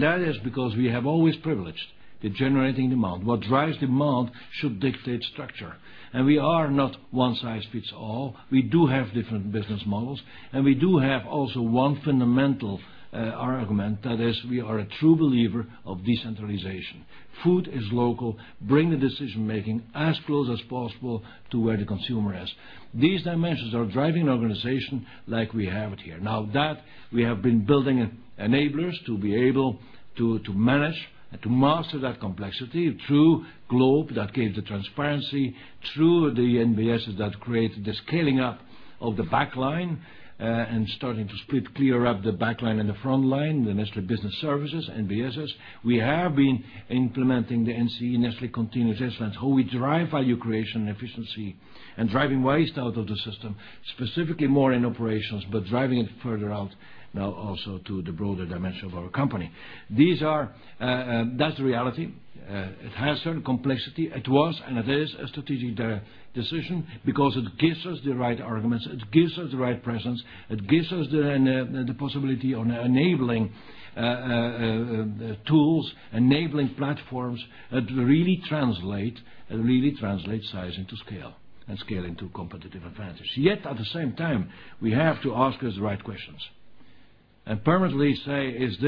That is because we have always privileged the generating demand. What drives demand should dictate structure. We are not one size fits all. We do have different business models, we do have also one fundamental argument, that is we are a true believer of decentralization. Food is local. Bring the decision-making as close as possible to where the consumer is. These dimensions are driving the organization like we have it here. Now that we have been building enablers to be able to manage and to master that complexity through GLOBE, that gave the transparency, through the NBSs, that created the scaling up of the back line and starting to split, clear up the back line and the front line, the Nestlé Business Services, NBSs. We have been implementing the NCE, Nestlé Continuous Excellence, how we drive value creation and efficiency and driving waste out of the system, specifically more in operations, but driving it further out now also to the broader dimension of our company. That's the reality. It has certain complexity. It was, and it is, a strategic decision because it gives us the right arguments. It gives us the right presence. It gives us the possibility on enabling tools, enabling platforms that really translate size into scale and scale into competitive advantage. Yet, at the same time, we have to ask the right questions. Permanently say, is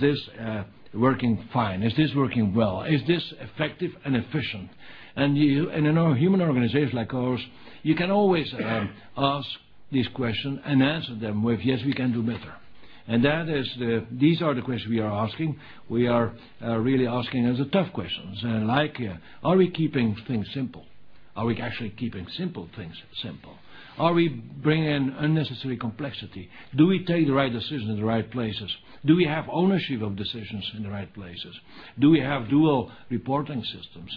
this working fine? Is this working well? Is this effective and efficient? In a human organization like ours, you can always ask these questions and answer them with, "Yes, we can do better." These are the questions we are asking. We are really asking the tough questions, like are we keeping things simple? Are we actually keeping simple things simple? Are we bringing unnecessary complexity? Do we take the right decisions in the right places? Do we have ownership of decisions in the right places? Do we have dual reporting systems?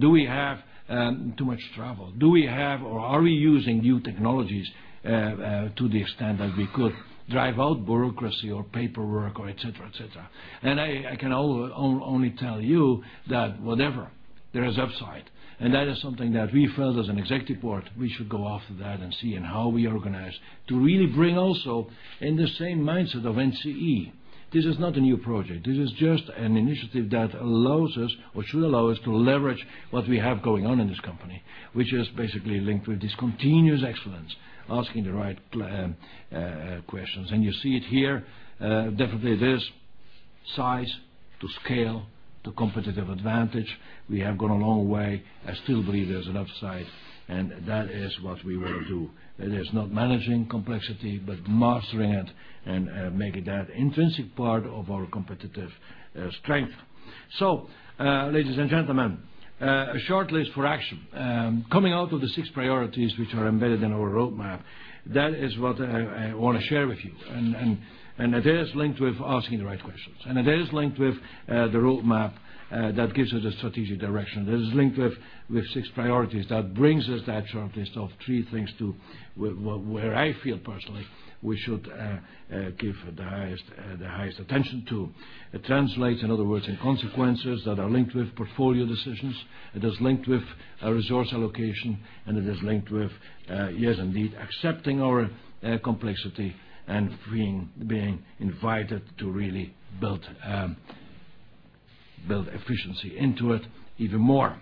Do we have too much travel? Do we have or are we using new technologies to the extent that we could drive out bureaucracy or paperwork or et cetera? I can only tell you that whatever, there is upside. That is something that we felt as an executive board, we should go after that and see and how we organize to really bring also in the same mindset of NCE. This is not a new project. This is just an initiative that allows us or should allow us to leverage what we have going on in this company, which is basically linked with this continuous excellence, asking the right questions. You see it here, definitely it is size to scale to competitive advantage. We have gone a long way. I still believe there's an upside, that is what we will do. It is not managing complexity, but mastering it and making that intrinsic part of our competitive strength. Ladies and gentlemen, a short list for action. Coming out of the six priorities which are embedded in our roadmap, that is what I want to share with you. That is linked with asking the right questions, that is linked with the roadmap that gives us a strategic direction. That is linked with six priorities. This brings us that short list of three things to where I feel personally, we should give the highest attention to. It translates, in other words, in consequences that are linked with portfolio decisions. It is linked with resource allocation, it is linked with, yes, indeed, accepting our complexity and being invited to really build efficiency into it even more.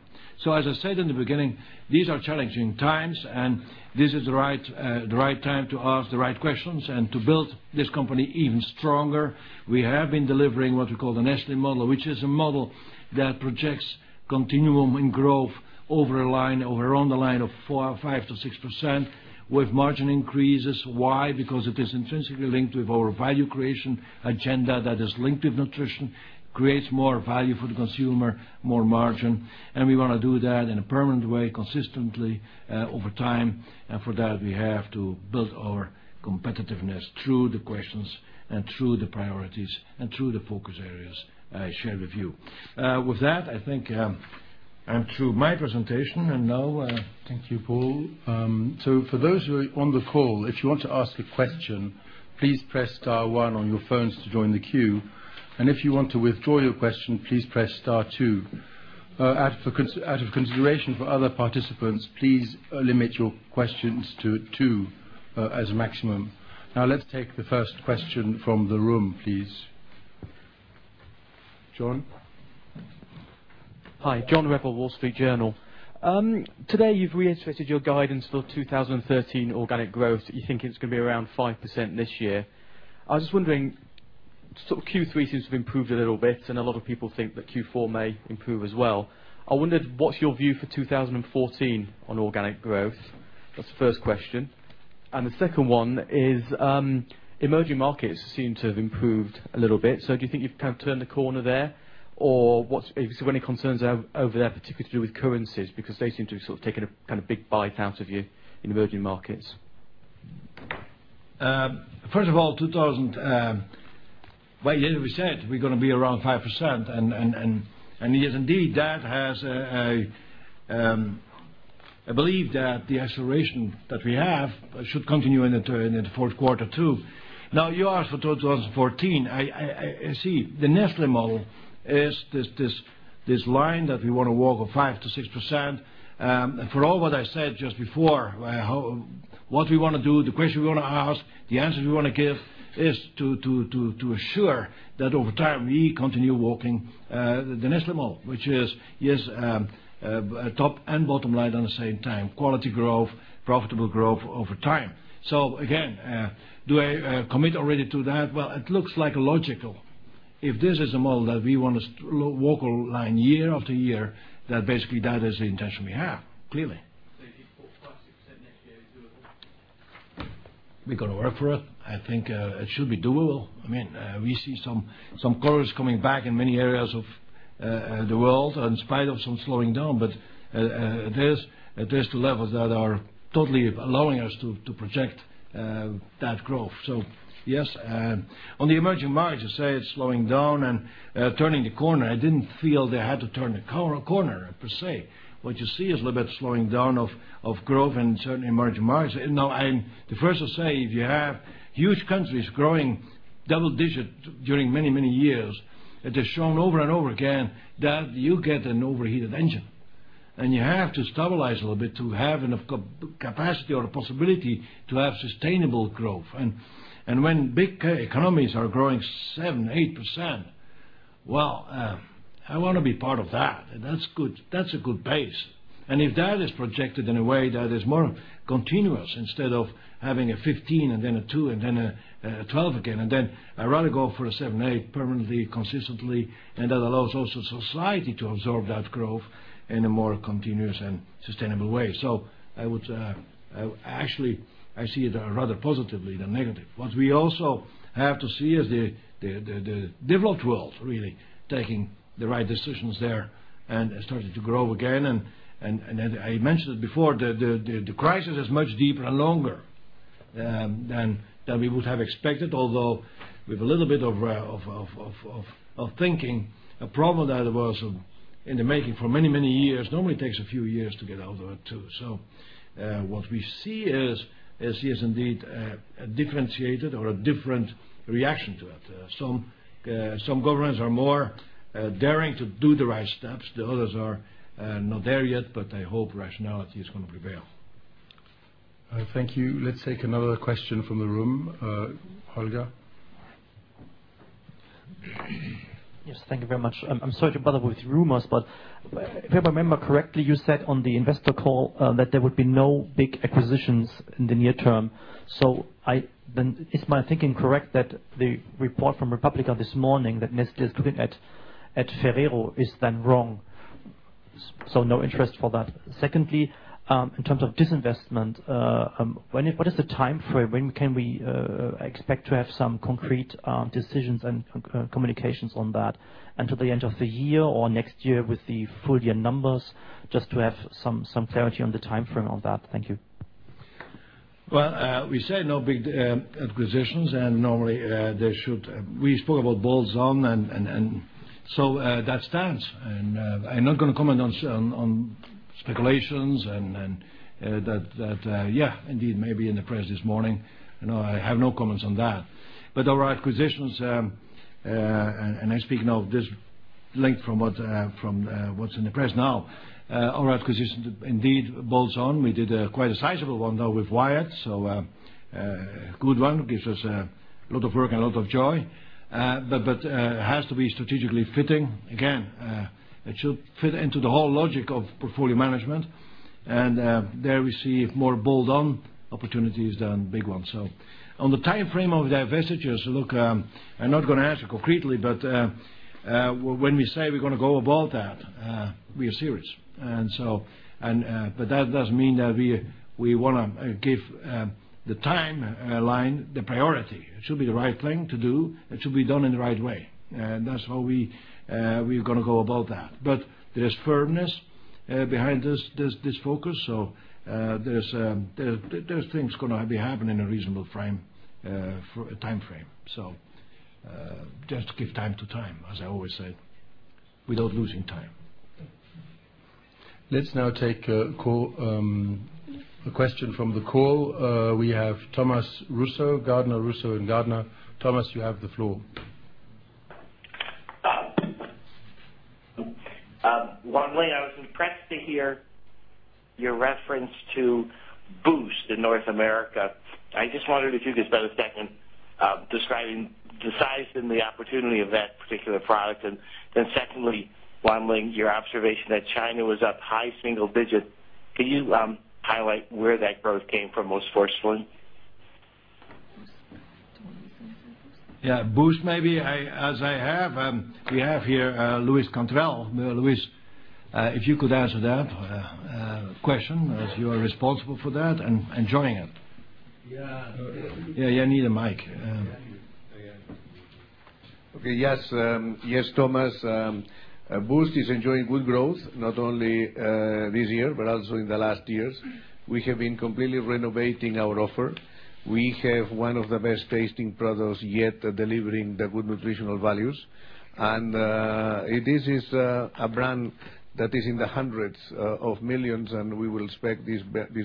As I said in the beginning, these are challenging times, this is the right time to ask the right questions and to build this company even stronger. We have been delivering what we call the Nestlé Model, which is a model that projects continuum and growth over a line or around the line of four or five to 6% with margin increases. Why? Because it is intrinsically linked with our value creation agenda that is linked with nutrition, creates more value for the consumer, more margin, we want to do that in a permanent way consistently over time. For that, we have to build our competitiveness through the questions and through the priorities and through the focus areas I shared with you. With that, I think I'm through my presentation. Thank you, Paul. For those who are on the call, if you want to ask a question, please press star 1 on your phones to join the queue. If you want to withdraw your question, please press star 2. Out of consideration for other participants, please limit your questions to two as a maximum. Let's take the first question from the room, please. John? Hi. John Revill, The Wall Street Journal. Today, you've reiterated your guidance for 2013 organic growth. You think it's going to be around 5% this year. I was just wondering, Q3 seems to have improved a little bit, and a lot of people think that Q4 may improve as well. I wondered, what's your view for 2014 on organic growth? That's the first question. The second one is, emerging markets seem to have improved a little bit. Do you think you've kind of turned the corner there? Or if there's any concerns over there particularly to do with currencies, because they seem to have sort of taken a big bite out of you in emerging markets. First of all, we said we're going to be around 5%. Yes, indeed, I believe that the acceleration that we have should continue in the fourth quarter, too. Now you ask for 2014. See, the Nestlé Model is this line that we want to walk of 5%-6%. For all what I said just before, what we want to do, the questions we want to ask, the answers we want to give is to assure that over time we continue walking the Nestlé Model. Which is yes, top and bottom line at the same time, quality growth, profitable growth over time. Again, do I commit already to that? Well, it looks logical. If this is the model that we want to walk online year after year, that basically that is the intention we have, clearly. If you put 5%-6% next year, it's doable? We've got to work for it. I think it should be doable. We see some colors coming back in many areas of the world in spite of some slowing down. There's the levels that are totally allowing us to project that growth. Yes. On the emerging markets, you say it's slowing down and turning the corner. I didn't feel they had to turn the corner per se. What you see is a little bit slowing down of growth and certainly emerging markets. Now, the first to say, if you have huge countries growing double digit during many, many years, it has shown over and over again that you get an overheated engine. You have to stabilize a little bit to have enough capacity or possibility to have sustainable growth. When big economies are growing 7%-8% Well, I want to be part of that. That's a good base. If that is projected in a way that is more continuous, instead of having a 15 and then a two and then a 12 again, I'd rather go for a seven, eight permanently, consistently, and that allows also society to absorb that growth in a more continuous and sustainable way. Actually, I see it rather positively than negative. What we also have to see is the developed world really taking the right decisions there and starting to grow again. I mentioned it before, the crisis is much deeper and longer than we would have expected, although with a little bit of thinking. A problem that was in the making for many years normally takes a few years to get out of it, too. What we see is indeed a differentiated or a different reaction to it. Some governments are more daring to do the right steps. The others are not there yet, but I hope rationality is going to prevail. Thank you. Let's take another question from the room. Olga. Yes. Thank you very much. I'm sorry to bother with rumors, but if I remember correctly, you said on the investor call that there would be no big acquisitions in the near term. Is my thinking correct that the report from La Repubblica this morning that Nestlé is looking at Ferrero is then wrong? No interest for that. Secondly, in terms of disinvestment, what is the timeframe? When can we expect to have some concrete decisions and communications on that? Until the end of the year or next year with the full year numbers, just to have some clarity on the timeframe of that. Thank you. We say no big acquisitions, normally they should. We spoke about bolt-on, that stands. I'm not going to comment on speculations and that, indeed, maybe in the press this morning. I have no comments on that. Our acquisitions, I speak now linked from what's in the press now, our acquisitions indeed bolt on. We did quite a sizable one, though, with Wyeth. A good one. Gives us a lot of work and a lot of joy. It has to be strategically fitting. Again, it should fit into the whole logic of portfolio management. There we see more bolt-on opportunities than big ones. On the timeframe of divestitures, I'm not going to answer concretely, when we say we're going to go about that, we are serious. That doesn't mean that we want to give the timeline the priority. It should be the right thing to do, it should be done in the right way, that's how we're going to go about that. There's firmness behind this focus. There's things going to be happening in a reasonable timeframe. Just give time to time, as I always said, without losing time. Let's now take a question from the call. We have Thomas Russo, Gardner Russo & Gardner. Thomas, you have the floor. One way I was impressed to hear your reference to Boost in North America. I just wondered if you could spend a second describing the size and the opportunity of that particular product. Secondly, Wan Ling, your observation that China was up high single digits. Can you highlight where that growth came from most forcefully? Boost, maybe, as we have here Luis Cantarell. Luis, if you could answer that question, as you are responsible for that and enjoying it. Yeah. You need a mic. Yes, Thomas. Boost is enjoying good growth, not only this year, but also in the last years. We have been completely renovating our offer. We have one of the best tasting products yet delivering the good nutritional values. This is a brand that is in the hundreds of millions CHF, and we will expect this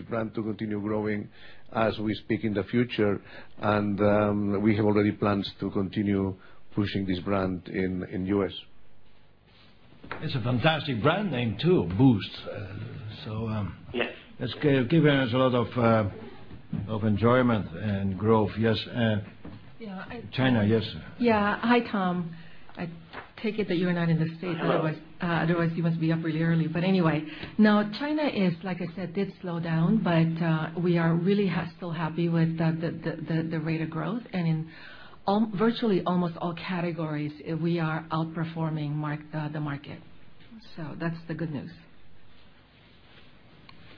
brand to continue growing as we speak in the future. We have already plans to continue pushing this brand in U.S. It's a fantastic brand name, too. Boost. Yes. It's giving us a lot of enjoyment and growth. Yes. China, yes. Yeah. Hi, Tom. I take it that you are not in the U.S. otherwise you must be up really early. Anyway, now China is, like I said, did slow down. We are really still happy with the rate of growth. In virtually almost all categories, we are outperforming the market. That's the good news.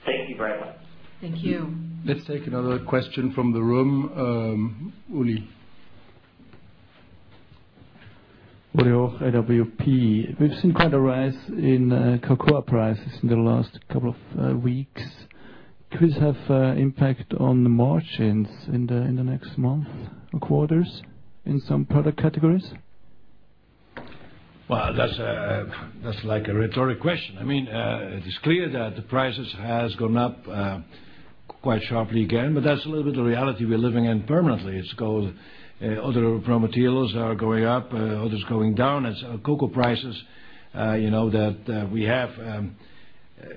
Thank you very much. Thank you. Let's take another question from the room. Ueli. Ueli Hoch, AWP. We've seen quite a rise in cocoa prices in the last couple of weeks. Could this have impact on the margins in the next month or quarters in some product categories? Well, that's like a rhetoric question. It is clear that the prices has gone up quite sharply again, that's a little bit of reality we're living in permanently. It's called other raw materials are going up, others going down. As cocoa prices, that we have,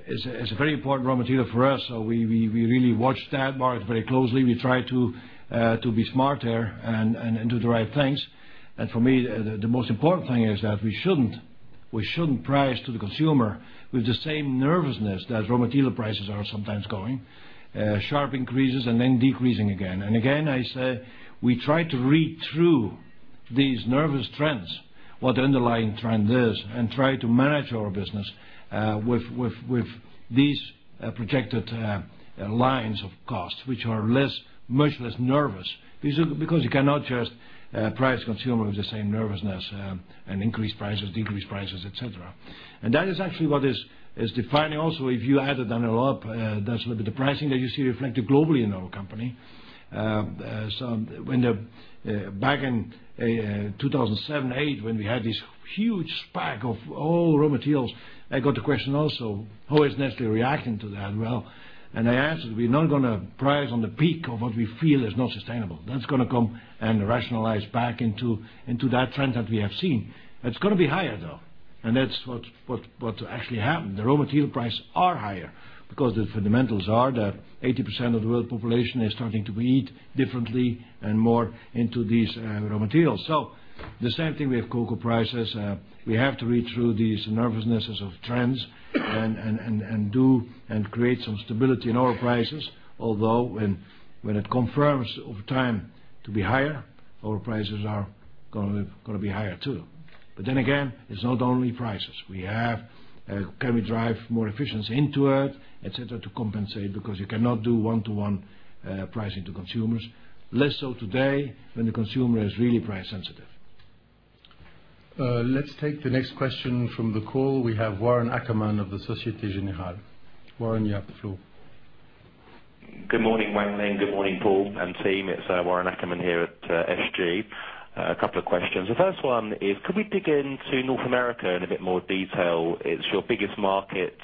it's a very important raw material for us, we really watch that market very closely. We try to be smarter and do the right things. For me, the most important thing is that we shouldn't price to the consumer with the same nervousness that raw material prices are sometimes going, sharp increases and then decreasing again. Again, I say, we try to read through these nervous trends, what the underlying trend is, and try to manage our business with these projected lines of costs, which are much less nervous, because you cannot just price consumer with the same nervousness and increase prices, decrease prices, et cetera. That is actually what is defining also, if you add it all up, that's a little bit the pricing that you see reflected globally in our company. Back in 2007, 2008, when we had this huge spike of all raw materials, I got the question also, how is Nestlé reacting to that? Well, I answered, we're not going to price on the peak of what we feel is not sustainable. That's going to come and rationalize back into that trend that we have seen. It's going to be higher, though. That's what actually happened. The raw material prices are higher because the fundamentals are that 80% of the world population is starting to eat differently and more into these raw materials. The same thing with cocoa prices. We have to read through these nervousnesses of trends and do and create some stability in our prices. When it confirms over time to be higher, our prices are going to be higher, too. Then again, it's not only prices. Can we drive more efficiency into it, et cetera, to compensate? You cannot do one-to-one pricing to consumers. Less so today when the consumer is really price sensitive. Let's take the next question from the call. We have Warren Ackerman of the Société Générale. Warren, you have the floor. Good morning, Wan Ling. Good morning, Paul and team. It's Warren Ackerman here at SG. A couple of questions. The first one is, could we dig into North America in a bit more detail? It's your biggest market,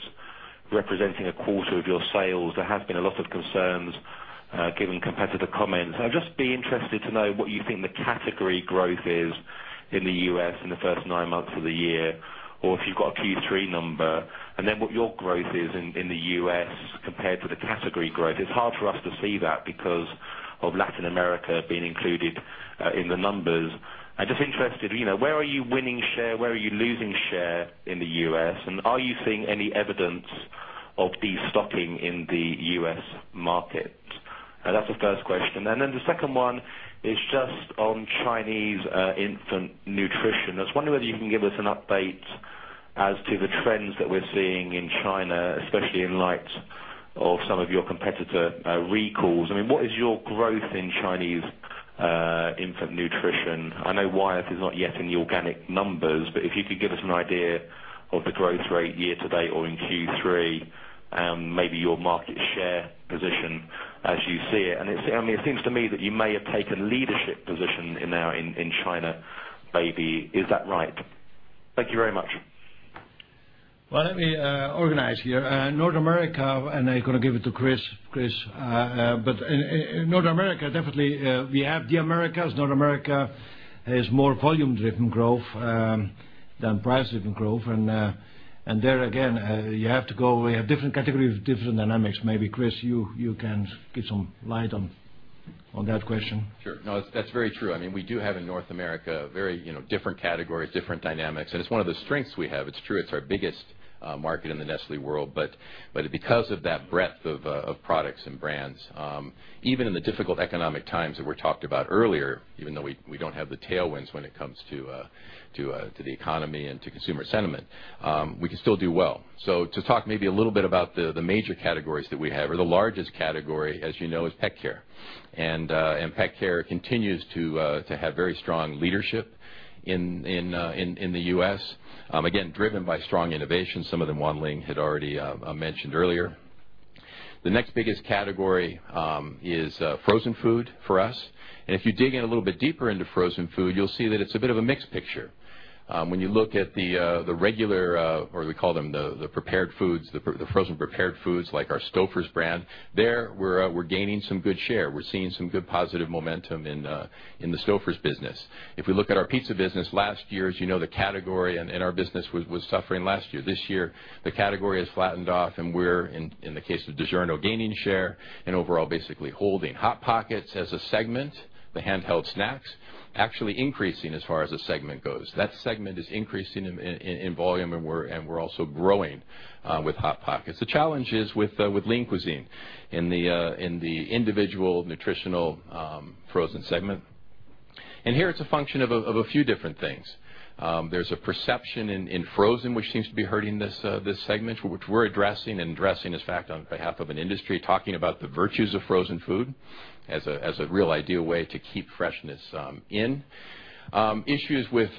representing a quarter of your sales. There have been a lot of concerns giving competitor comments. I'd just be interested to know what you think the category growth is in the U.S. in the first nine months of the year, or if you've got a Q3 number, and then what your growth is in the U.S. compared to the category growth. It's hard for us to see that because of Latin America being included in the numbers. I'm just interested, where are you winning share? Where are you losing share in the U.S.? Are you seeing any evidence of destocking in the U.S. market? That's the first question. The second one is just on Chinese infant nutrition. I was wondering whether you can give us an update as to the trends that we're seeing in China, especially in light of some of your competitor recalls. I mean, what is your growth in Chinese infant nutrition? I know Wyeth is not yet in the organic numbers, but if you could give us an idea of the growth rate year to date or in Q3, maybe your market share position as you see it. It seems to me that you may have taken leadership position now in China baby. Is that right? Thank you very much. Well, let me organize here. North America, I am going to give it to Chris. In North America, definitely, we have the Americas. North America is more volume driven growth than price driven growth. There again, you have to go. We have different categories, different dynamics. Maybe, Chris, you can give some light on that question. Sure. No, that is very true. We do have in North America very different categories, different dynamics, and it is one of the strengths we have. It is true it is our biggest market in the Nestlé world, but because of that breadth of products and brands, even in the difficult economic times that were talked about earlier, even though we do not have the tailwinds when it comes to the economy and to consumer sentiment, we can still do well. To talk maybe a little bit about the major categories that we have, or the largest category, as you know, is pet care. Pet care continues to have very strong leadership in the U.S., again, driven by strong innovation, some of them Wan Ling had already mentioned earlier. The next biggest category is frozen food for us. If you dig in a little bit deeper into frozen food, you will see that it is a bit of a mixed picture. When you look at the regular, or we call them the prepared foods, the frozen prepared foods like our Stouffer's brand, there we are gaining some good share. We are seeing some good positive momentum in the Stouffer's business. If we look at our pizza business, last year, as you know, the category and our business was suffering last year. This year, the category has flattened off, and we are, in the case of DiGiorno, gaining share and overall basically holding. Hot Pockets as a segment, the handheld snacks, actually increasing as far as the segment goes. That segment is increasing in volume, and we are also growing with Hot Pockets. The challenge is with Lean Cuisine in the individual nutritional frozen segment. Here it is a function of a few different things. There is a perception in frozen, which seems to be hurting this segment, which we are addressing and addressing, in fact, on behalf of an industry, talking about the virtues of frozen food as a real ideal way to keep freshness in. Issues with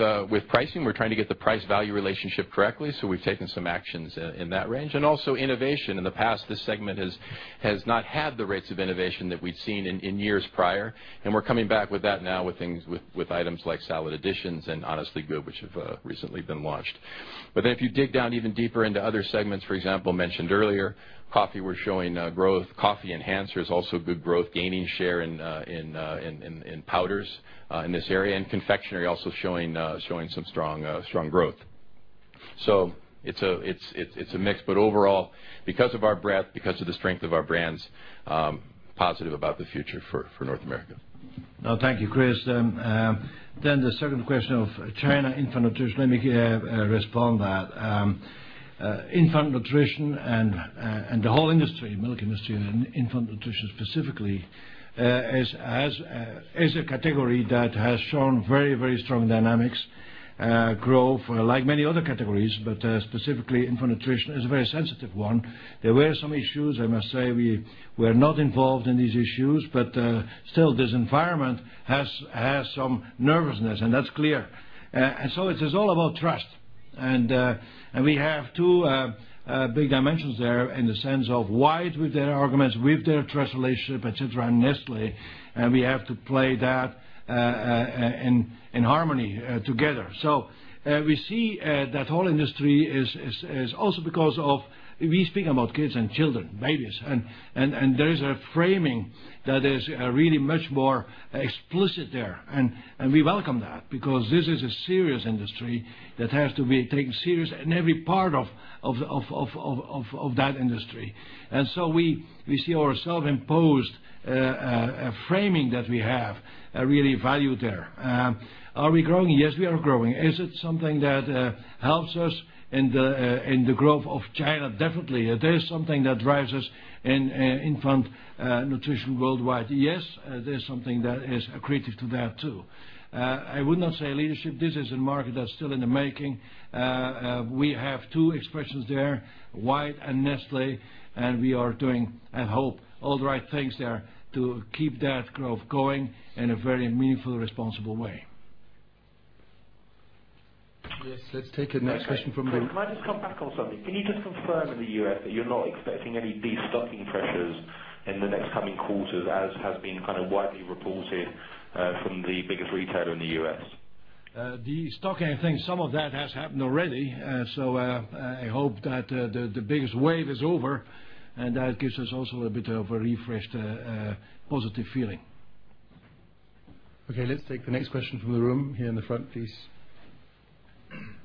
pricing, we are trying to get the price value relationship correctly, so we have taken some actions in that range. Also innovation. In the past, this segment has not had the rates of innovation that we had seen in years prior, and we are coming back with that now with items like Salad Additions and Honestly Good, which have recently been launched. If you dig down even deeper into other segments, for example, mentioned earlier, coffee, we are showing growth. Coffee enhancers, also good growth, gaining share in powders in this area. Confectionery also showing some strong growth. It's a mix, overall, because of our breadth, because of the strength of our brands- positive about the future for North America. No, thank you, Chris. The second question of China infant nutrition, let me respond that. Infant nutrition and the whole industry, milk industry, and infant nutrition specifically, is a category that has shown very strong dynamics, growth, like many other categories, specifically infant nutrition is a very sensitive one. There were some issues, I must say. We're not involved in these issues, still, this environment has some nervousness, and that's clear. It is all about trust. We have two big dimensions there in the sense of Wyeth with their arguments, with their trust relationship, et cetera, and Nestlé, and we have to play that in harmony together. We see that whole industry is also because of, we speak about kids and children, babies, there is a framing that is really much more explicit there, we welcome that because this is a serious industry that has to be taken serious in every part of that industry. We see our self-imposed framing that we have really value there. Are we growing? Yes, we are growing. Is it something that helps us in the growth of China? Definitely. There is something that drives us in infant nutrition worldwide. Yes, there's something that is accretive to that, too. I would not say leadership. This is a market that's still in the making. We have two expressions there, Wyeth and Nestlé, we are doing, I hope, all the right things there to keep that growth going in a very meaningful, responsible way. Yes, let's take the next question from the room. Can I just come back on something? Can you just confirm in the U.S. that you're not expecting any de-stocking pressures in the next coming quarters, as has been widely reported from the biggest retailer in the U.S.? De-stocking, I think some of that has happened already. I hope that the biggest wave is over. That gives us also a bit of a refreshed, positive feeling. Okay, let's take the next question from the room, here in the front, please.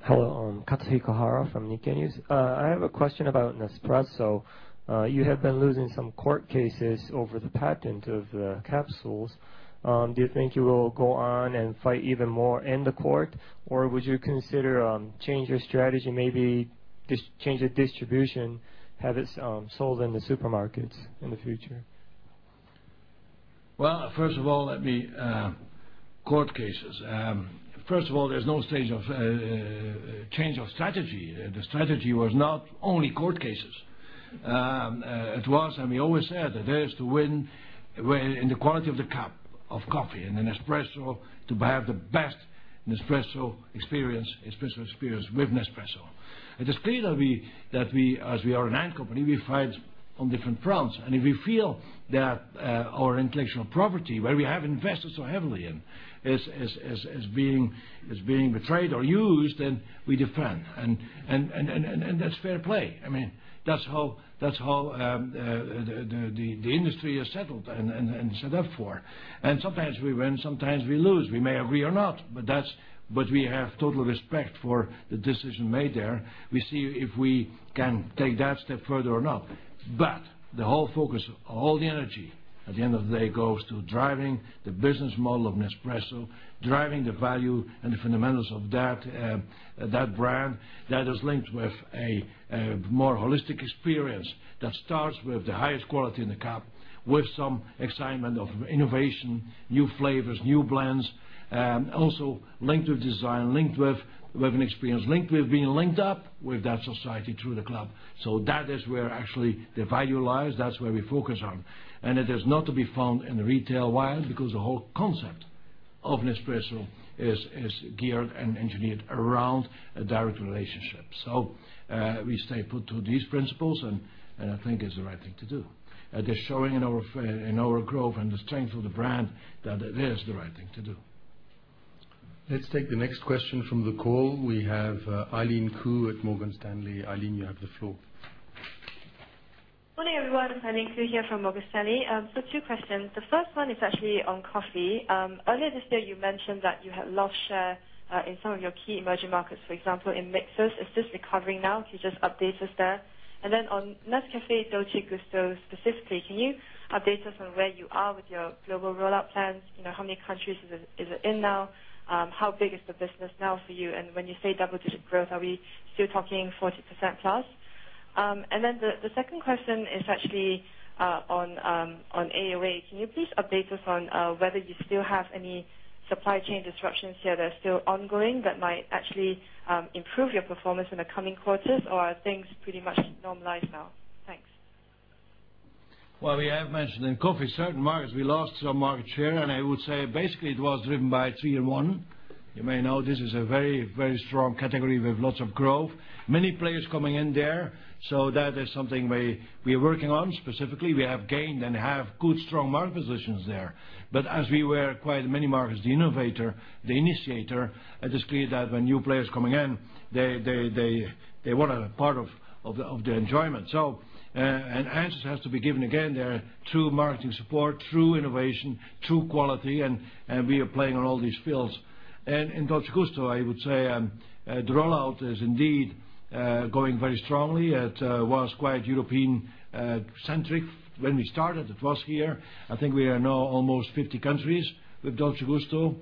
Hello. I'm Katsuhiko Hara from Nikkei News. I have a question about Nespresso. You have been losing some court cases over the patent of the capsules. Do you think you will go on and fight even more in the court, or would you consider change your strategy, maybe change the distribution, have it sold in the supermarkets in the future? Well, first of all, court cases. First of all, there's no change of strategy. The strategy was not only court cases. It was, and we always said that there is to win in the quality of the cup of coffee, in an Nespresso, to have the best Nespresso experience with Nespresso. It is clear that we, as we are an iron company, we fight on different fronts. If we feel that our intellectual property, where we have invested so heavily in, is being betrayed or used, then we defend, and that's fair play. That's how the industry is settled and set up for. Sometimes we win, sometimes we lose. We may agree or not, but we have total respect for the decision made there. We see if we can take that step further or not. The whole focus, all the energy at the end of the day, goes to driving the business model of Nespresso, driving the value and the fundamentals of that brand that is linked with a more holistic experience that starts with the highest quality in the cup, with some excitement of innovation, new flavors, new blends, also linked with design, linked with an experience, linked with being linked up with that society through the club. That is where actually the value lies. That's where we focus on. It is not to be found in the retail world because the whole concept of Nespresso is geared and engineered around a direct relationship. We stay put to these principles, and I think it's the right thing to do. They're showing in our growth and the strength of the brand that it is the right thing to do. Let's take the next question from the call. We have Eileen Khoo at Morgan Stanley. Eileen, you have the floor. Morning, everyone. Eileen Khoo here from Morgan Stanley. Two questions. The first one is actually on coffee. Earlier this year, you mentioned that you had lost share in some of your key emerging markets, for example, in mixes. Is this recovering now? Can you just update us there? On Nescafé Dolce Gusto specifically, can you update us on where you are with your global rollout plans? How many countries is it in now? How big is the business now for you? When you say double-digit growth, are we still talking 40% plus? The second question is actually on AOA. Can you please update us on whether you still have any supply chain disruptions here that are still ongoing that might actually improve your performance in the coming quarters, or are things pretty much normalized now? Thanks. We have mentioned in coffee, certain markets we lost some market share, I would say basically it was driven by 3-in-1. You may know this is a very strong category with lots of growth, many players coming in there. That is something we are working on. Specifically, we have gained and have good, strong market positions there. As we were, quite in many markets, the innovator, the initiator, it is clear that when new players coming in, they want a part of the enjoyment. Answers have to be given again there through marketing support, through innovation, through quality, we are playing on all these fields. In Dolce Gusto, I would say, the rollout is indeed going very strongly. It was quite European-centric when we started. It was here. I think we are now almost 50 countries with Dolce Gusto.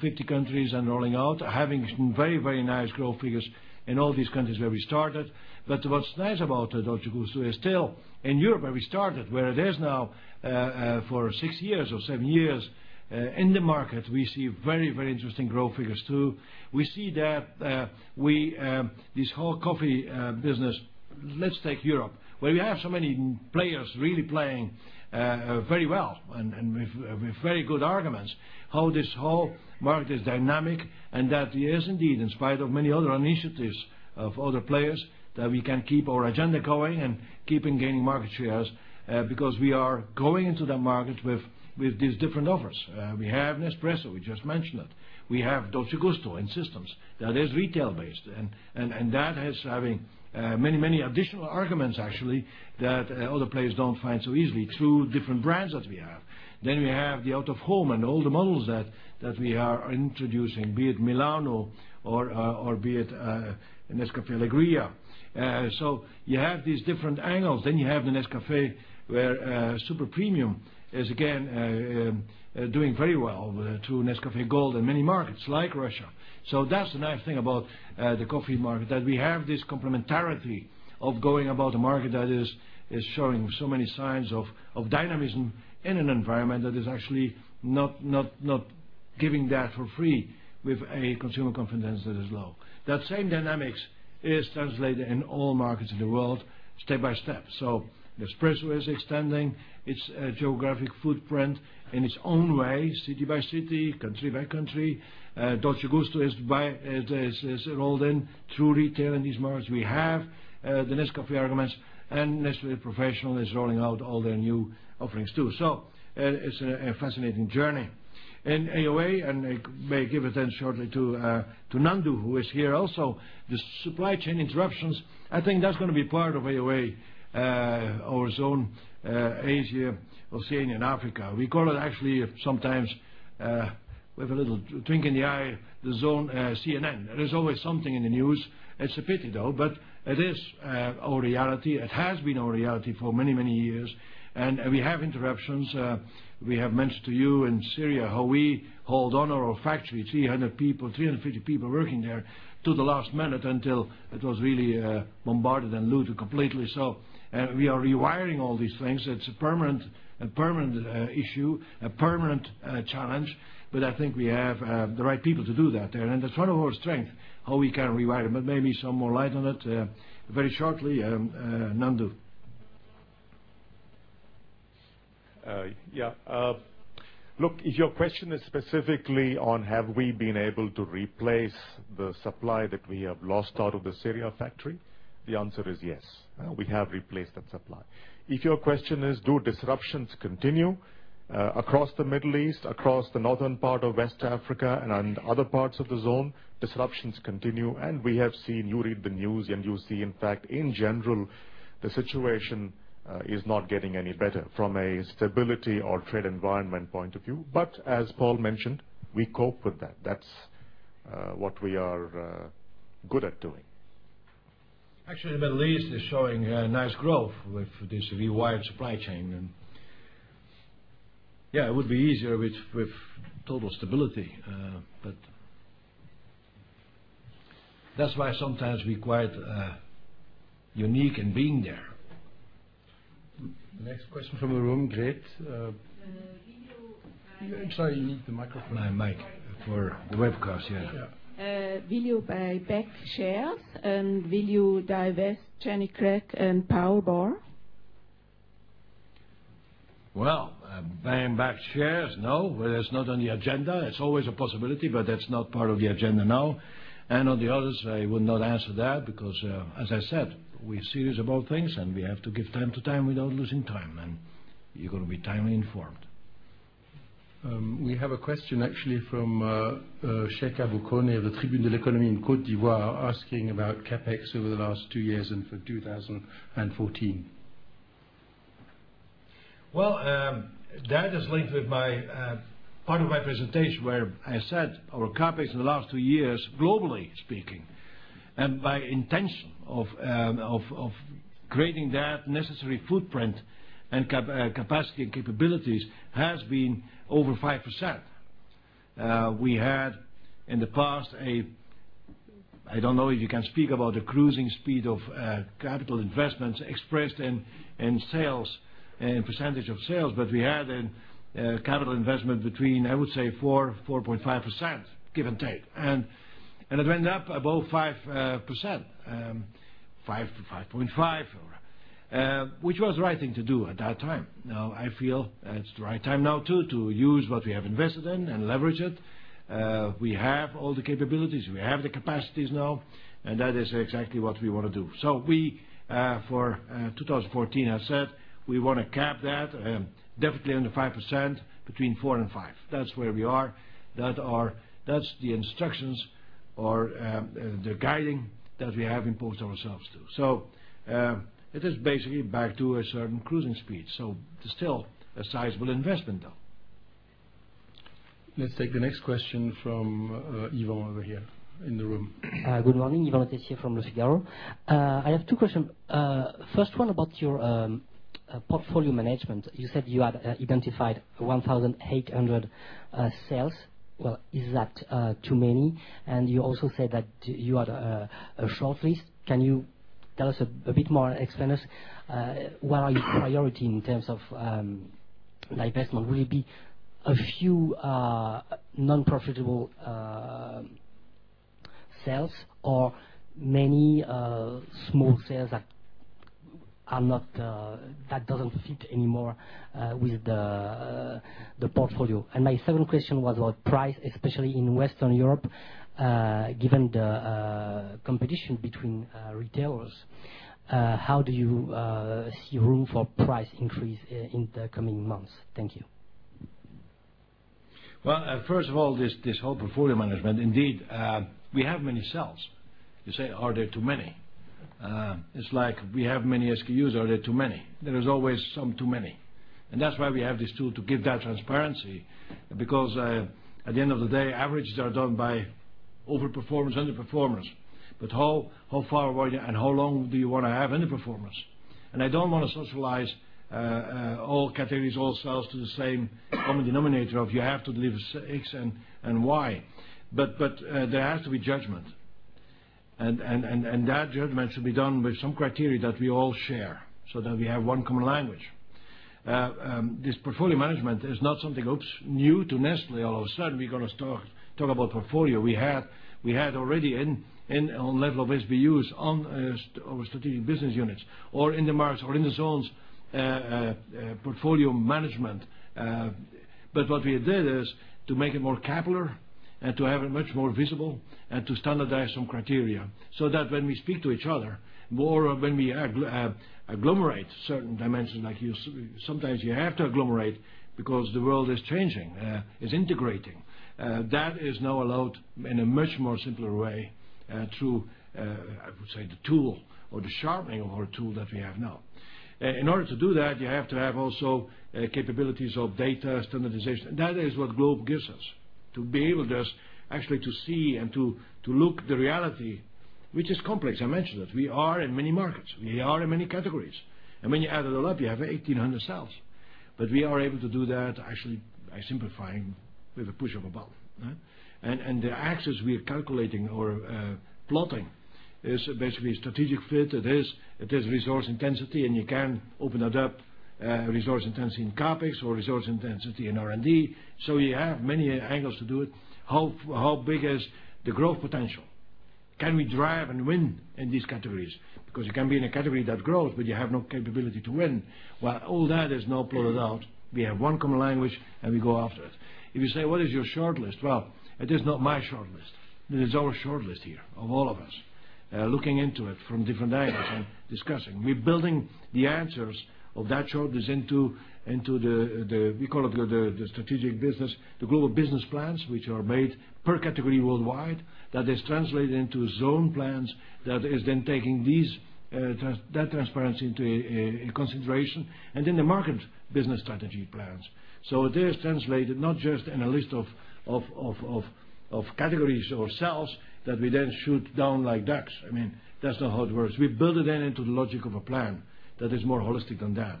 50 countries rolling out, having very nice growth figures in all these countries where we started. What's nice about Dolce Gusto is still in Europe, where we started, where it is now for six years or seven years, in the market, we see very interesting growth figures, too. We see that this whole coffee business. Let's take Europe, where we have so many players really playing very well and with very good arguments, how this whole market is dynamic and that it is indeed, in spite of many other initiatives of other players, that we can keep our agenda going and keeping gaining market shares because we are going into that market with these different offers. We have Nespresso, we just mentioned it. We have Dolce Gusto in systems that is retail-based, having many additional arguments actually, that other players don't find so easily through different brands that we have. We have the out of home and all the models that we are introducing, be it Milano or be it Nescafé Alegria. You have these different angles. You have the Nescafé, where super premium is again doing very well through Nescafé Gold in many markets like Russia. That's the nice thing about the coffee market, that we have this complementarity of going about a market that is showing so many signs of dynamism in an environment that is actually not giving that for free with any consumer confidence that is low. That same dynamics is translated in all markets in the world step by step. Nespresso is extending its geographic footprint in its own way, city by city, country by country. Dolce Gusto is enrolled in through retail in these markets. We have the Nescafé arguments, and Nestlé Professional is rolling out all their new offerings, too. It's a fascinating journey. In AOA, I may give it then shortly to Nandu, who is here also. The supply chain interruptions, I think that's going to be part of AOA, our Zone Asia, Oceania and Africa. We call it actually sometimes, with a little wink in the eye, the zone CNN. There is always something in the news. It's a pity, though, it is our reality. It has been our reality for many years, we have interruptions. We have mentioned to you in Syria how we hold on to our factory, 350 people working there, to the last minute until it was really bombarded and looted completely. We are rewiring all these things. It's a permanent issue, a permanent challenge, I think we have the right people to do that there. That's one of our strengths, how we can rewire them. Maybe some more light on it very shortly, Nandu. Look, if your question is specifically on have we been able to replace the supply that we have lost out of the Syria factory? The answer is yes. We have replaced that supply. If your question is do disruptions continue across the Middle East, across the northern part of West Africa and other parts of the zone, disruptions continue. We have seen, you read the news and you see, in fact, in general, the situation is not getting any better from a stability or trade environment point of view. As Paul mentioned, we cope with that. That's what we are good at doing. Actually, the Middle East is showing nice growth with this rewired supply chain, it would be easier with total stability. That's why sometimes we're quite unique in being there. Next question from the room. Great. The video- I'm sorry, you need the microphone. A mic for the webcast, yeah. Yeah. Will you buy back shares, and will you divest Jenny Craig and PowerBar? Well, buying back shares, no. That's not on the agenda. It's always a possibility, but that's not part of the agenda now. On the others, I will not answer that because, as I said, we're serious about things, and we have to give time to time without losing time, and you're going to be timely informed. We have a question actually from Cheick Aboucone, the Tribune de l'Economie in Côte d'Ivoire, asking about CapEx over the last two years and for 2014. Well, that is linked with part of my presentation where I said our CapEx in the last two years, globally speaking, and by intention of creating that necessary footprint and capacity and capabilities, has been over 5%. We had in the past a, I don't know if you can speak about a cruising speed of capital investments expressed in sales, in percentage of sales, but we had a capital investment between, I would say 4%, 4.5%, give and take. It went up above 5%, 5% to 5.5%. Which was the right thing to do at that time. Now, I feel it's the right time now, too, to use what we have invested in and leverage it. We have all the capabilities, we have the capacities now, and that is exactly what we want to do. We, for 2014, have said we want to cap that definitely under 5%, between 4% and 5%. That's where we are. That's the instructions, or the guiding that we have imposed ourselves to. It is basically back to a certain cruising speed. It's still a sizable investment, though. Let's take the next question from Yvon over here in the room. Good morning, Yvon Retif from Le Figaro. I have two questions. First one about your portfolio management. You said you had identified 1,800 sales. Well, is that too many? You also said that you had a short list. Can you tell us a bit more, explain us what are your priority in terms of investment? Will it be a few non-profitable sales or many small sales that doesn't fit anymore with the portfolio? My second question was about price, especially in Western Europe, given the competition between retailers, how do you see room for price increase in the coming months? Thank you. Well, first of all, this whole portfolio management, indeed, we have many sales. You say, are there too many? It's like we have many SKUs, are there too many? There is always some too many. That's why we have this tool to give that transparency, because at the end of the day, averages are done by over-performance, under-performance. How far were you and how long do you want to have under-performance? I don't want to socialize all categories, all sales to the same common denominator of you have to deliver X and Y. There has to be judgment. That judgment should be done with some criteria that we all share so that we have one common language. This portfolio management is not something, oops, new to Nestlé. All of a sudden, we're going to talk about portfolio. We had already in on level of SBUs, on our Strategic Business Units or in the markets or in the zones, portfolio management. What we did is to make it more capillary and to have it much more visible and to standardize some criteria so that when we speak to each other, more when we agglomerate certain dimensions like sometimes you have to agglomerate because the world is changing, is integrating. That is now allowed in a much more simpler way through, I would say, the tool or the sharpening of our tool that we have now. In order to do that, you have to have also capabilities of data standardization. That is what GLOBE gives us, to be able just actually to see and to look the reality, which is complex. I mentioned that. We are in many markets, we are in many categories. When you add it all up, you have 1,800 sales. We are able to do that actually by simplifying with a push of a button. The axis we are calculating or plotting is basically strategic fit. It is resource intensity, and you can open it up, resource intensity in CapEx or resource intensity in R&D. You have many angles to do it. How big is the growth potential? Can we drive and win in these categories? Because you can be in a category that grows, but you have no capability to win. Well, all that is now pulled out. We have one common language, and we go after it. If you say, what is your short list? Well, it is not my short list. It is our short list here, of all of us, looking into it from different angles and discussing. We're building the answers of that short list into the, we call it the strategic business, the global business plans, which are made per category worldwide. That is translated into zone plans. That is taking that transparency into consideration, and then the market business strategy plans. It is translated not just in a list of categories or sales that we then shoot down like ducks. That's not how it works. We build it then into the logic of a plan that is more holistic than that.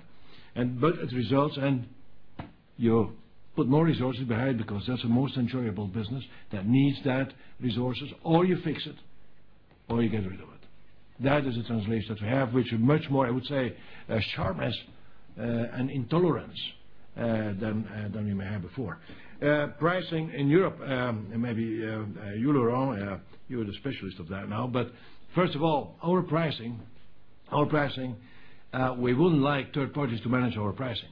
It results in you put more resources behind because that's the most enjoyable business that needs that resources, or you fix it, or you get rid of it. That is the translation that we have, which is much more, I would say, sharp as an intolerance than we may have before. Pricing in Europe, maybe you, Laurent, you're the specialist of that now. First of all, our pricing, we wouldn't like third parties to manage our pricing.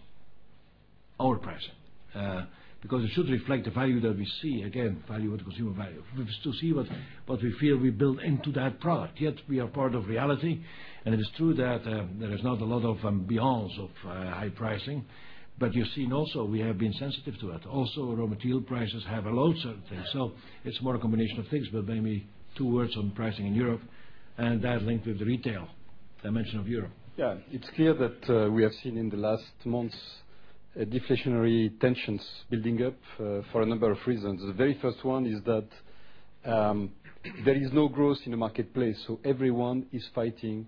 Our pricing. It should reflect the value that we see. Again, value with consumer value. We still see what we feel we build into that product. Yet we are part of reality. It is true that there is not a lot of ambience of high pricing. You've seen also, we have been sensitive to it. Also, raw material prices have a load certain things. It's more a combination of things. Maybe two words on pricing in Europe, and that linked with retail dimension of Europe. It's clear that we have seen in the last months deflationary tensions building up for a number of reasons. The very first one is that there is no growth in the marketplace, so everyone is fighting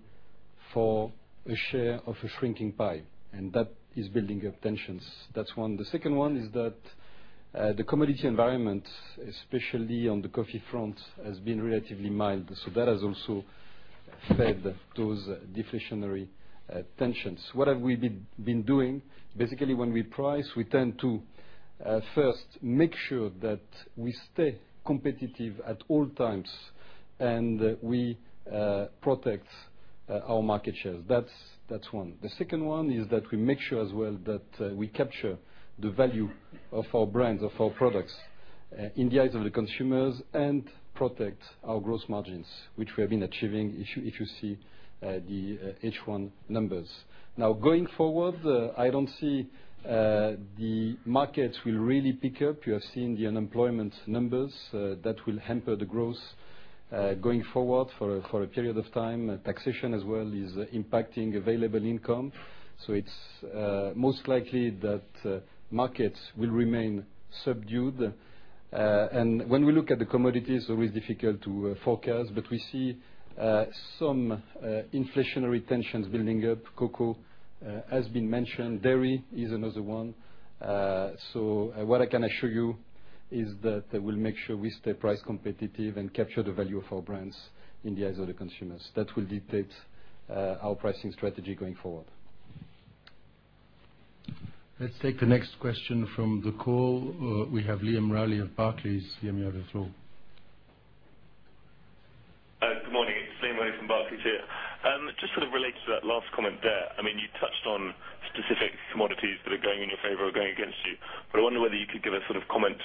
for a share of a shrinking pie, and that is building up tensions. That's one. The second one is that the commodity environment, especially on the coffee front, has been relatively mild. That has also fed those deflationary tensions. What have we been doing? Basically, when we price, we tend to first make sure that we stay competitive at all times, and we protect our market shares. That's one. The second one is that we make sure as well that we capture the value of our brands, of our products, in the eyes of the consumers and protect our gross margins, which we have been achieving, if you see the H1 numbers. Going forward, I don't see the markets will really pick up. You have seen the unemployment numbers that will hamper the growth going forward for a period of time. Taxation as well is impacting available income. It's most likely that markets will remain subdued. When we look at the commodities, always difficult to forecast, but we see some inflationary tensions building up. Cocoa has been mentioned, dairy is another one. What I can assure you is that we'll make sure we stay price competitive and capture the value of our brands in the eyes of the consumers. That will dictate our pricing strategy going forward. Let's take the next question from the call. We have Warren Ackerman of Barclays. Liam, you have the floor. Good morning, it's Warren Ackerman from Barclays here. Just sort of related to that last comment there, you touched on specific commodities that are going in your favor or going against you, but I wonder whether you could give a sort of comment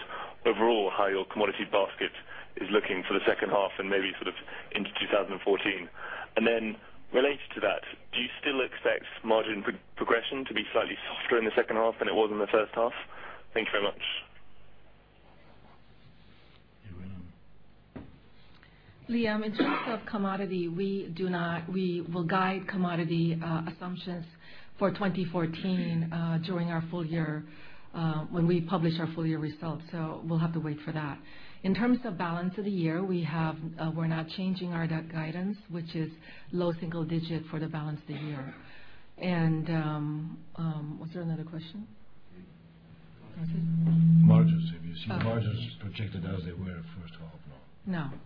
overall how your commodity basket is looking for the second half and maybe sort of into 2014. Related to that, do you still expect margin progression to be slightly softer in the second half than it was in the first half? Thank you very much. Wan Ling. Liam, in terms of commodity, we will guide commodity assumptions for 2014 during our full year, when we publish our full year results. We'll have to wait for that. In terms of balance of the year, we're not changing our debt guidance, which is low single digit for the balance of the year. Was there another question? Margins. Have you seen margins projected as they were first of all now? No. No.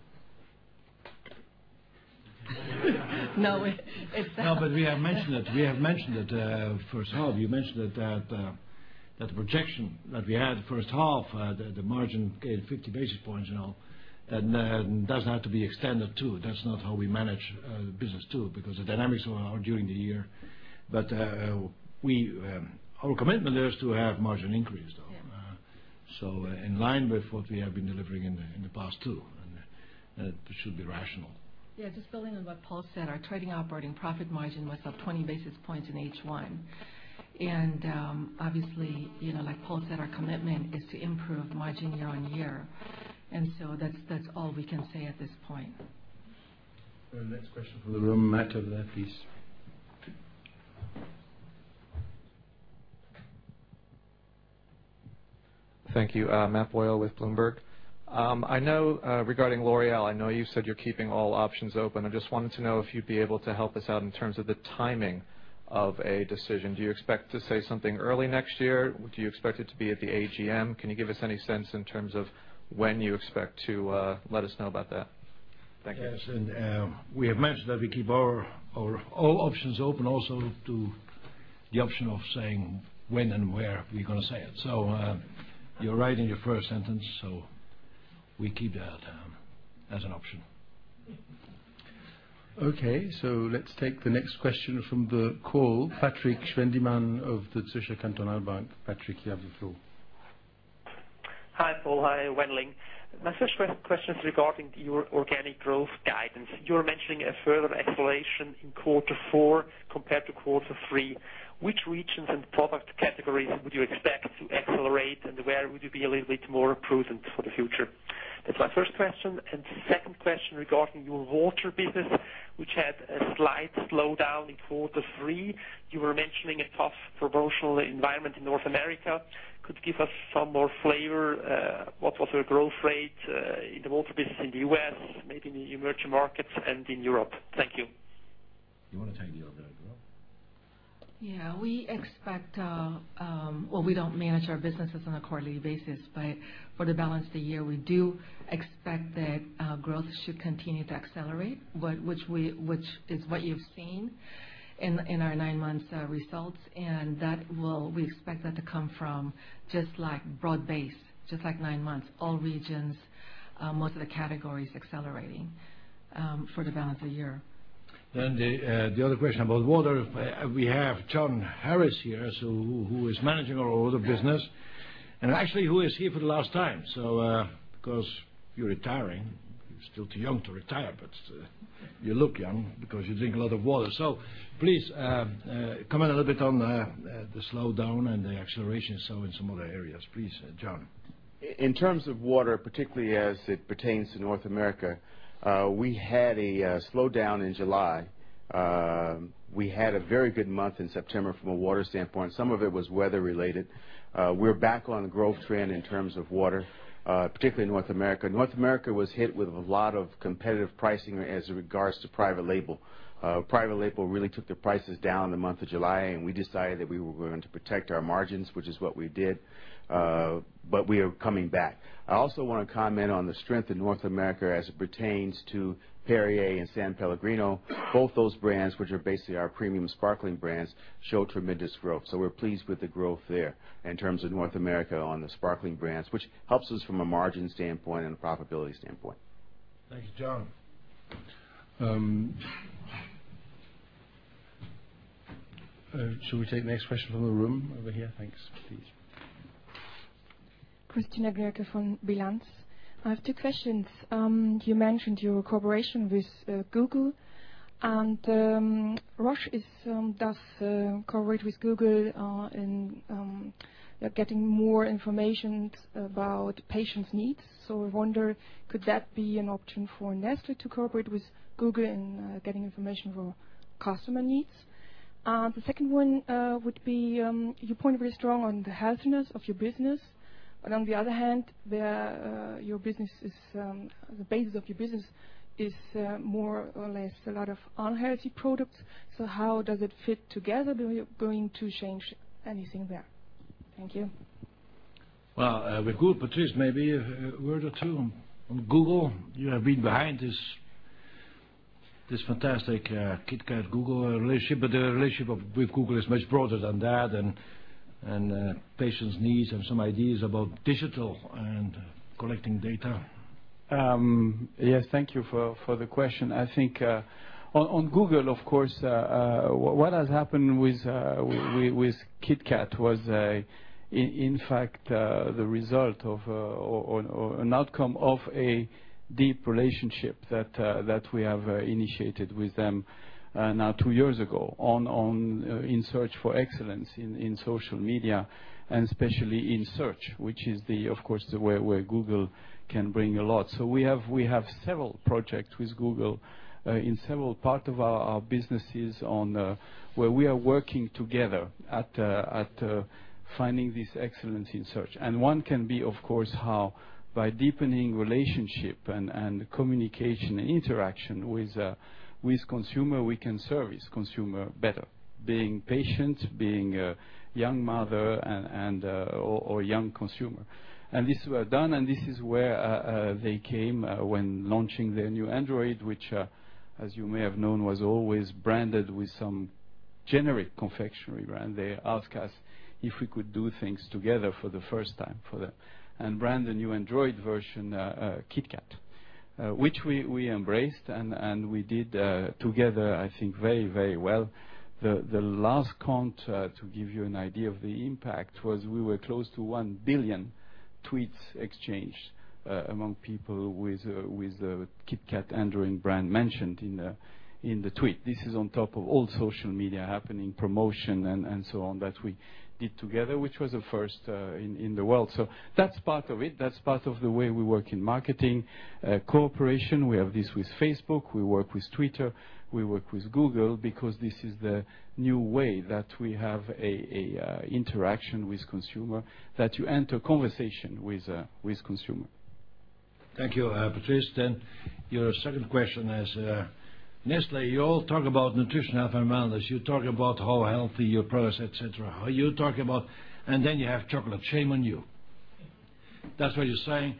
No, we have mentioned it. We have mentioned it, first half, you mentioned that the projection that we had first half, the margin gained 50 basis points and all. Does have to be extended too. That's not how we manage business too, because the dynamics are during the year. Our commitment there is to have margin increase, though. Yeah. In line with what we have been delivering in the past too, that should be rational. Yeah, just building on what Paul said, our trading operating profit margin was up 20 basis points in H1. Obviously, like Paul said, our commitment is to improve margin year-on-year. That's all we can say at this point. Our next question from the room, Matthew Boyle, please. Thank you. Matthew Boyle with Bloomberg. Regarding L'Oréal, I know you said you're keeping all options open. I just wanted to know if you'd be able to help us out in terms of the timing of a decision. Do you expect to say something early next year? Do you expect it to be at the AGM? Can you give us any sense in terms of when you expect to let us know about that? Thank you. Yes, we have mentioned that we keep all options open also to the option of saying when and where we're going to say it. You're right in your first sentence, we keep that as an option. Let's take the next question from the call. Patrik Schwendimann of the Zürcher Kantonalbank. Patrik, you have the floor. Hi, Paul. Hi, Wenling. My first question is regarding your organic growth guidance. You're mentioning a further exploration in quarter four compared to quarter three. Which regions and product categories would you expect to accelerate, and where would you be a little bit more prudent for the future? That's my first question. Second question regarding your water business, which had a slight slowdown in quarter three. You were mentioning a tough promotional environment in North America. Could give us some more flavor? What was your growth rate, in the water business in the U.S., maybe in the emerging markets and in Europe? Thank you. Do you want to take the organic growth? Yeah. We don't manage our businesses on a quarterly basis, but for the balance of the year, we do expect that growth should continue to accelerate, which is what you've seen in our nine months results. We expect that to come from just like broad base, just like nine months, all regions, most of the categories accelerating for the balance of year. The other question about water, we have John Harris here, so who is managing our water business. Actually, who is here for the last time. Because you're retiring. You're still too young to retire, but you look young because you drink a lot of water. Please, comment a little bit on the slowdown and the acceleration in some other areas. Please, John. In terms of water, particularly as it pertains to North America, we had a slowdown in July. We had a very good month in September from a water standpoint. Some of it was weather related. We're back on growth trend in terms of water, particularly in North America. North America was hit with a lot of competitive pricing as regards to private label. Private label really took the prices down in the month of July, we decided that we were going to protect our margins, which is what we did. We are coming back. I also want to comment on the strength in North America as it pertains to Perrier and S.Pellegrino. Both those brands, which are basically our premium sparkling brands, show tremendous growth. We're pleased with the growth there in terms of North America on the sparkling brands, which helps us from a margin standpoint and profitability standpoint. Thank you, John. Should we take the next question from the room over here? Thanks. Please. Christina Görke from Bilanz. I have two questions. You mentioned your cooperation with Google, Roche does cooperate with Google in getting more information about patients' needs. I wonder, could that be an option for Nestlé to cooperate with Google in getting information for customer needs? The second one would be, you point very strong on the healthiness of your business. On the other hand, the basis of your business is more or less a lot of unhealthy products. How does it fit together? Are you going to change anything there? Thank you. Well, with Google, Patrice, maybe a word or two on Google. You have been behind this fantastic KitKat Google relationship, the relationship with Google is much broader than that, patients' needs and some ideas about digital and collecting data. Yes. Thank you for the question. I think on Google, of course, what has happened with KitKat was in fact the result of or an outcome of a deep relationship that we have initiated with them now two years ago in search for excellence in social media and especially in search, which is, of course, where Google can bring a lot. We have several projects with Google in several parts of our businesses where we are working together at finding this excellence in search. One can be, of course, how by deepening relationship and communication and interaction with consumer, we can service consumer better. Being patient, being a young mother or a young consumer. These were done, and this is where they came when launching their new Android, which, as you may have known, was always branded with some generic confectionery brand. They asked us if we could do things together for the first time for them and brand the new Android version KitKat, which we embraced, and we did together, I think, very well. The last count, to give you an idea of the impact, was we were close to 1 billion tweets exchanged among people with KitKat Android brand mentioned in the tweet. This is on top of all social media happening, promotion, and so on, that we did together, which was a first in the world. That's part of it. That's part of the way we work in marketing cooperation. We have this with Facebook. We work with Twitter. We work with Google because this is the new way that we have interaction with consumer, that you enter conversation with consumer. Thank you, Patrice. Your second question is, Nestlé, you all talk about nutrition health and wellness. You talk about how healthy your products, et cetera, are. You talk about, then you have chocolate. Shame on you. That's what you're saying.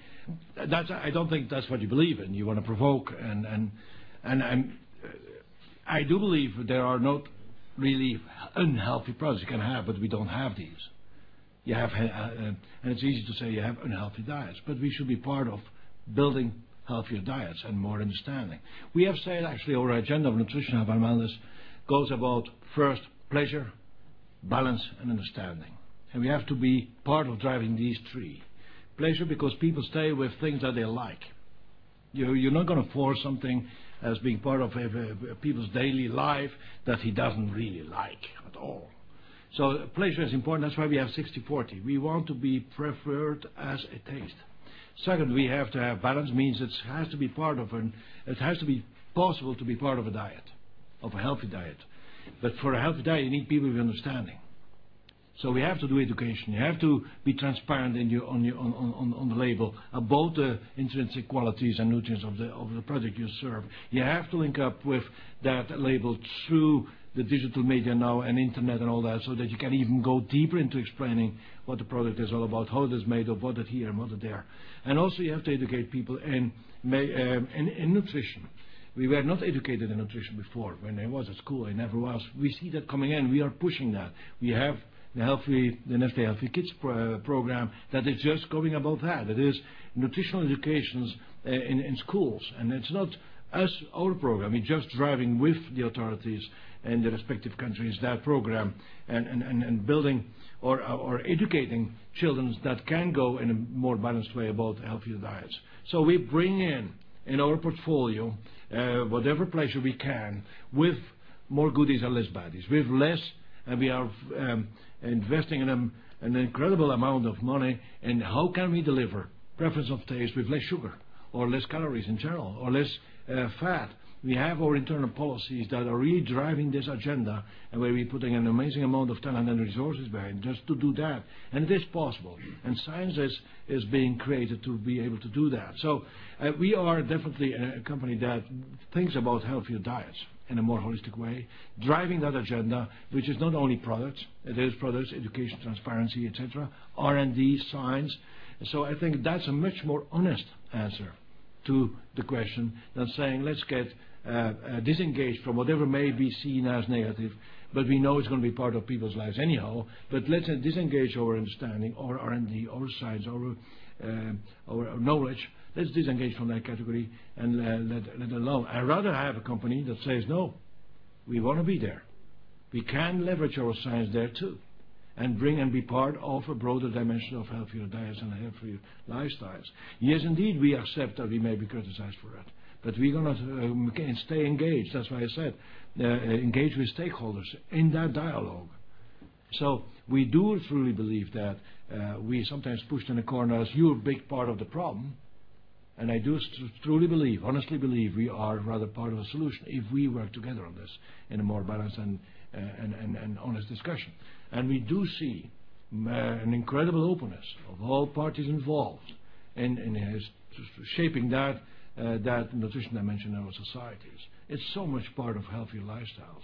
I don't think that's what you believe in. You want to provoke, I do believe there are not really unhealthy products you can have, but we don't have these. It's easy to say you have unhealthy diets, but we should be part of building healthier diets and more understanding. We have said, actually, our agenda of nutrition, health, and wellness goes about first pleasure, balance, and understanding. We have to be part of driving these three. Pleasure because people stay with things that they like. You're not going to force something as being part of people's daily life that he doesn't really like at all. Pleasure is important. That's why we have 60/40. We want to be preferred as a taste. Second, we have to have balance. Means it has to be possible to be part of a diet, of a healthy diet. For a healthy diet, you need people with understanding. We have to do education. You have to be transparent on the label about the intrinsic qualities and nutrients of the product you serve. You have to link up with that label through the digital media now and internet and all that, so that you can even go deeper into explaining what the product is all about, how it is made, of what it here, and what it there. Also, you have to educate people in nutrition. We were not educated in nutrition before. When I was at school, I never was. We see that coming in. We are pushing that. We have the Nestlé for Healthier Kids program that is just going about that. That is nutritional education in schools, and it's not us, our program. It's just driving with the authorities in the respective countries, that program, and building or educating children that can go in a more balanced way about healthier diets. We bring in our portfolio, whatever pleasure we can with more goodies and less baddies. We have less, and we are investing an incredible amount of money in how can we deliver preference of taste with less sugar or less calories in general or less fat. We have our internal policies that are really driving this agenda, where we're putting an amazing amount of time and resources behind just to do that. It is possible, science is being created to be able to do that. We are definitely a company that thinks about healthier diets in a more holistic way, driving that agenda, which is not only products. It is products, education, transparency, et cetera, R&D, science. I think that's a much more honest answer to the question than saying, let's get disengaged from whatever may be seen as negative. We know it's going to be part of people's lives anyhow. Let's disengage our understanding, our R&D, our science, our knowledge. Let's disengage from that category and let alone. I'd rather have a company that says, "No, we want to be there." We can leverage our science there too, and bring and be part of a broader dimension of healthier diets and healthier lifestyles. Indeed, we accept that we may be criticized for it, we're going to stay engaged. That's why I said, engage with stakeholders in that dialogue. We do truly believe that we sometimes pushed in the corner as, "You're a big part of the problem." I do truly believe, honestly believe we are rather part of a solution if we work together on this in a more balanced and honest discussion. We do see an incredible openness of all parties involved in shaping that nutrition dimension in our societies. It's so much part of healthy lifestyles.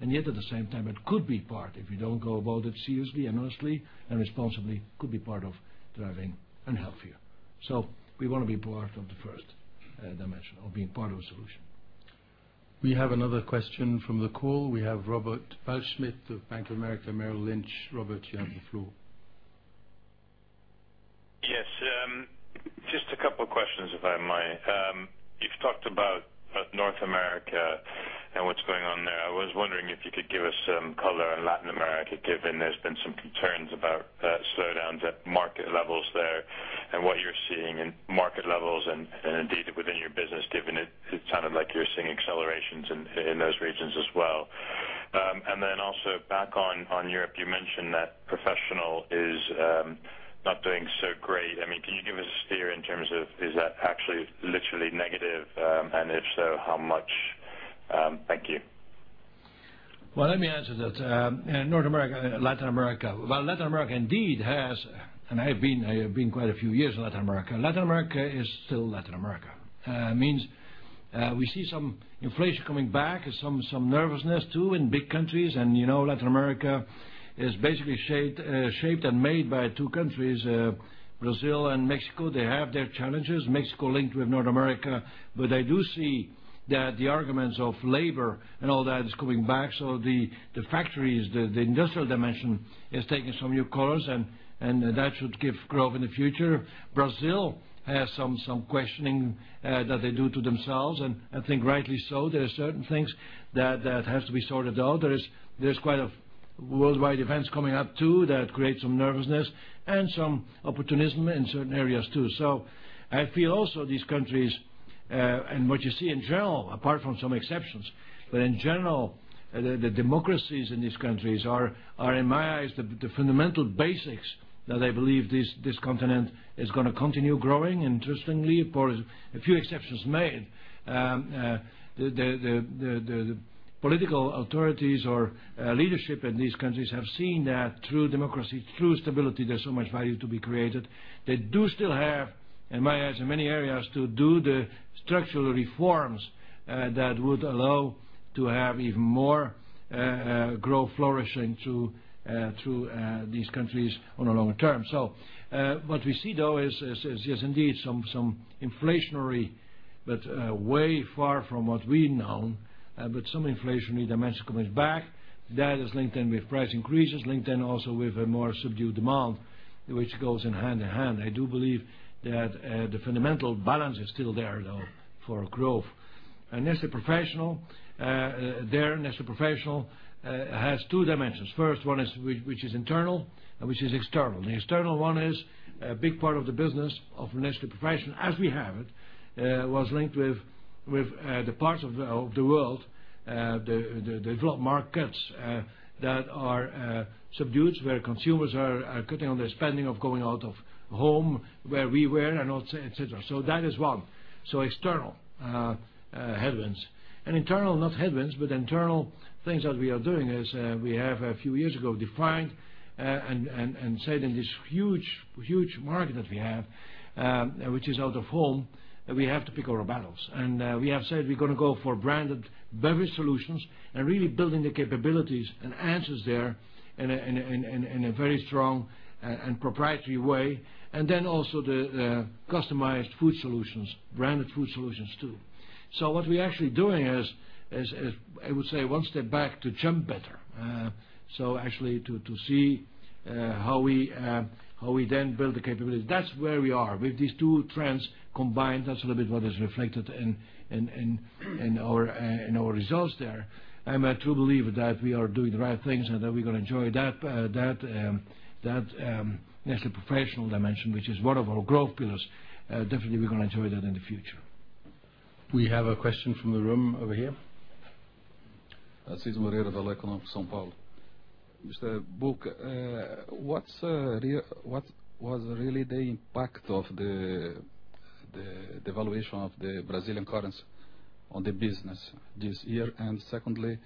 Yet, at the same time, it could be part, if you don't go about it seriously and honestly and responsibly, could be part of driving unhealthier. We want to be part of the first dimension of being part of the solution. We have another question from the call. We have Robert Waldschmidt of Bank of America, Merrill Lynch. Robert, you have the floor. Yes. Just a couple of questions, if I might. You've talked about North America and what's going on there. I was wondering if you could give us some color on Latin America, given there's been some concerns about slowdowns at market levels there and what you're seeing in market levels and indeed within your business, given it sounded like you're seeing accelerations in those regions as well. Back on Europe, you mentioned that Nestlé Professional is not doing so great. Can you give us a steer in terms of, is that actually literally negative? If so, how much? Thank you. Well, let me answer that. In North America and Latin America. Well, Latin America indeed has, I have been quite a few years in Latin America. Latin America is still Latin America. Means we see some inflation coming back, some nervousness too in big countries. Latin America is basically shaped and made by two countries, Brazil and Mexico. They have their challenges. Mexico linked with North America. I do see that the arguments of labor and all that is coming back, so the factories, the industrial dimension is taking some new colors and that should give growth in the future. Brazil has some questioning that they do to themselves, I think rightly so. There are certain things that has to be sorted out. There's quite a worldwide events coming up too that create some nervousness and some opportunism in certain areas too. I feel also these countries, what you see in general, apart from some exceptions, in general, the democracies in these countries are in my eyes, the fundamental basics that I believe this continent is going to continue growing interestingly, apart a few exceptions made. The political authorities or leadership in these countries have seen that through democracy, through stability, there's so much value to be created. They do still have, in my eyes, in many areas to do the structural reforms, that would allow to have even more growth flourishing through these countries on a longer term. What we see though is yes, indeed, some inflationary, way far from what we've known, some inflationary dimension coming back. That is linked in with price increases, linked in also with a more subdued demand, which goes in hand in hand. I do believe that the fundamental balance is still there, though, for growth. Nestlé Professional has two dimensions. First one, which is internal, which is external. The external one is a big part of the business of Nestlé Professional as we have it, was linked with the parts of the world, the developed markets that are subdued, where consumers are cutting on their spending of going out of home where we were and et cetera. That is one. External headwinds. Internal, not headwinds, internal things that we are doing is, we have a few years ago defined, said in this huge market that we have, which is out of home, we have to pick our battles. We have said we're going to go for branded beverage solutions and really building the capabilities and answers there in a very strong and proprietary way. Also the customized food solutions, branded food solutions too. What we're actually doing is, I would say one step back to jump better. Actually to see how we then build the capabilities. That's where we are with these two trends combined. That's a little bit what is reflected in our results there. I truly believe that we are doing the right things and that we're going to enjoy that Nestlé Professional dimension, which is one of our growth pillars. Definitely, we're going to enjoy that in the future. We have a question from the room over here. [Cesar Moreira da Economica], São Paulo. Mr. Bulcke, what was really the impact of the valuation of the Brazilian currency on the business this year? Secondly,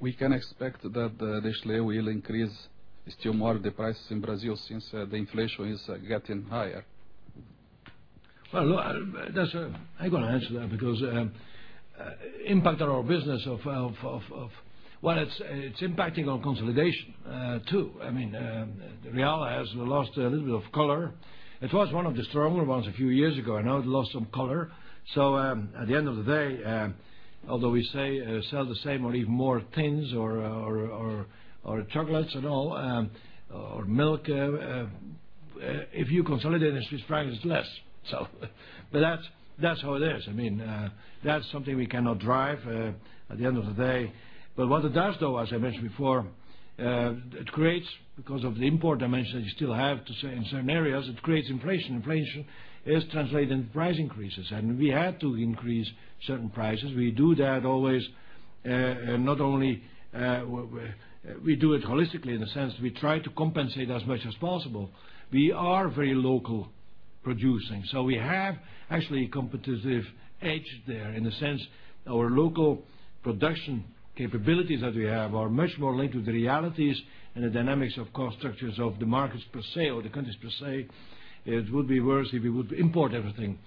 we can expect that Nestlé will increase still more the prices in Brazil since the inflation is getting higher. Well, look, I'm going to answer that. Well, it's impacting on consolidation, too. I mean, Real has lost a little bit of color. It was one of the stronger ones a few years ago, and now it lost some color. At the end of the day, although we sell the same or even more tins or chocolates and all, or milk If you consolidate in CHF, it's less. That's how it is. That's something we cannot drive at the end of the day. What it does, though, as I mentioned before, it creates, because of the import dimension that you still have to say in certain areas, it creates inflation. Inflation is translated into price increases, and we had to increase certain prices. We do that always, We do it holistically in the sense we try to compensate as much as possible. We are very local producing, so we have actually a competitive edge there in the sense our local production capabilities that we have are much more linked with the realities and the dynamics of cost structures of the markets per se or the countries per se. It would be worse if we would import everything.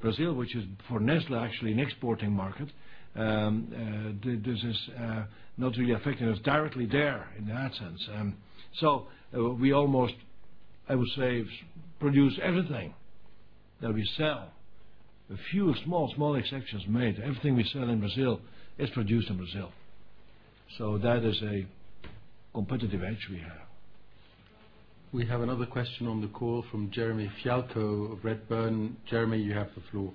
Brazil, which is for Nestlé actually an exporting market, this is not really affecting us directly there in that sense. We almost, I would say, produce everything that we sell. With few small exceptions made, everything we sell in Brazil is produced in Brazil. That is a competitive edge we have. We have another question on the call from Jeremy Fialko of Redburn. Jeremy, you have the floor.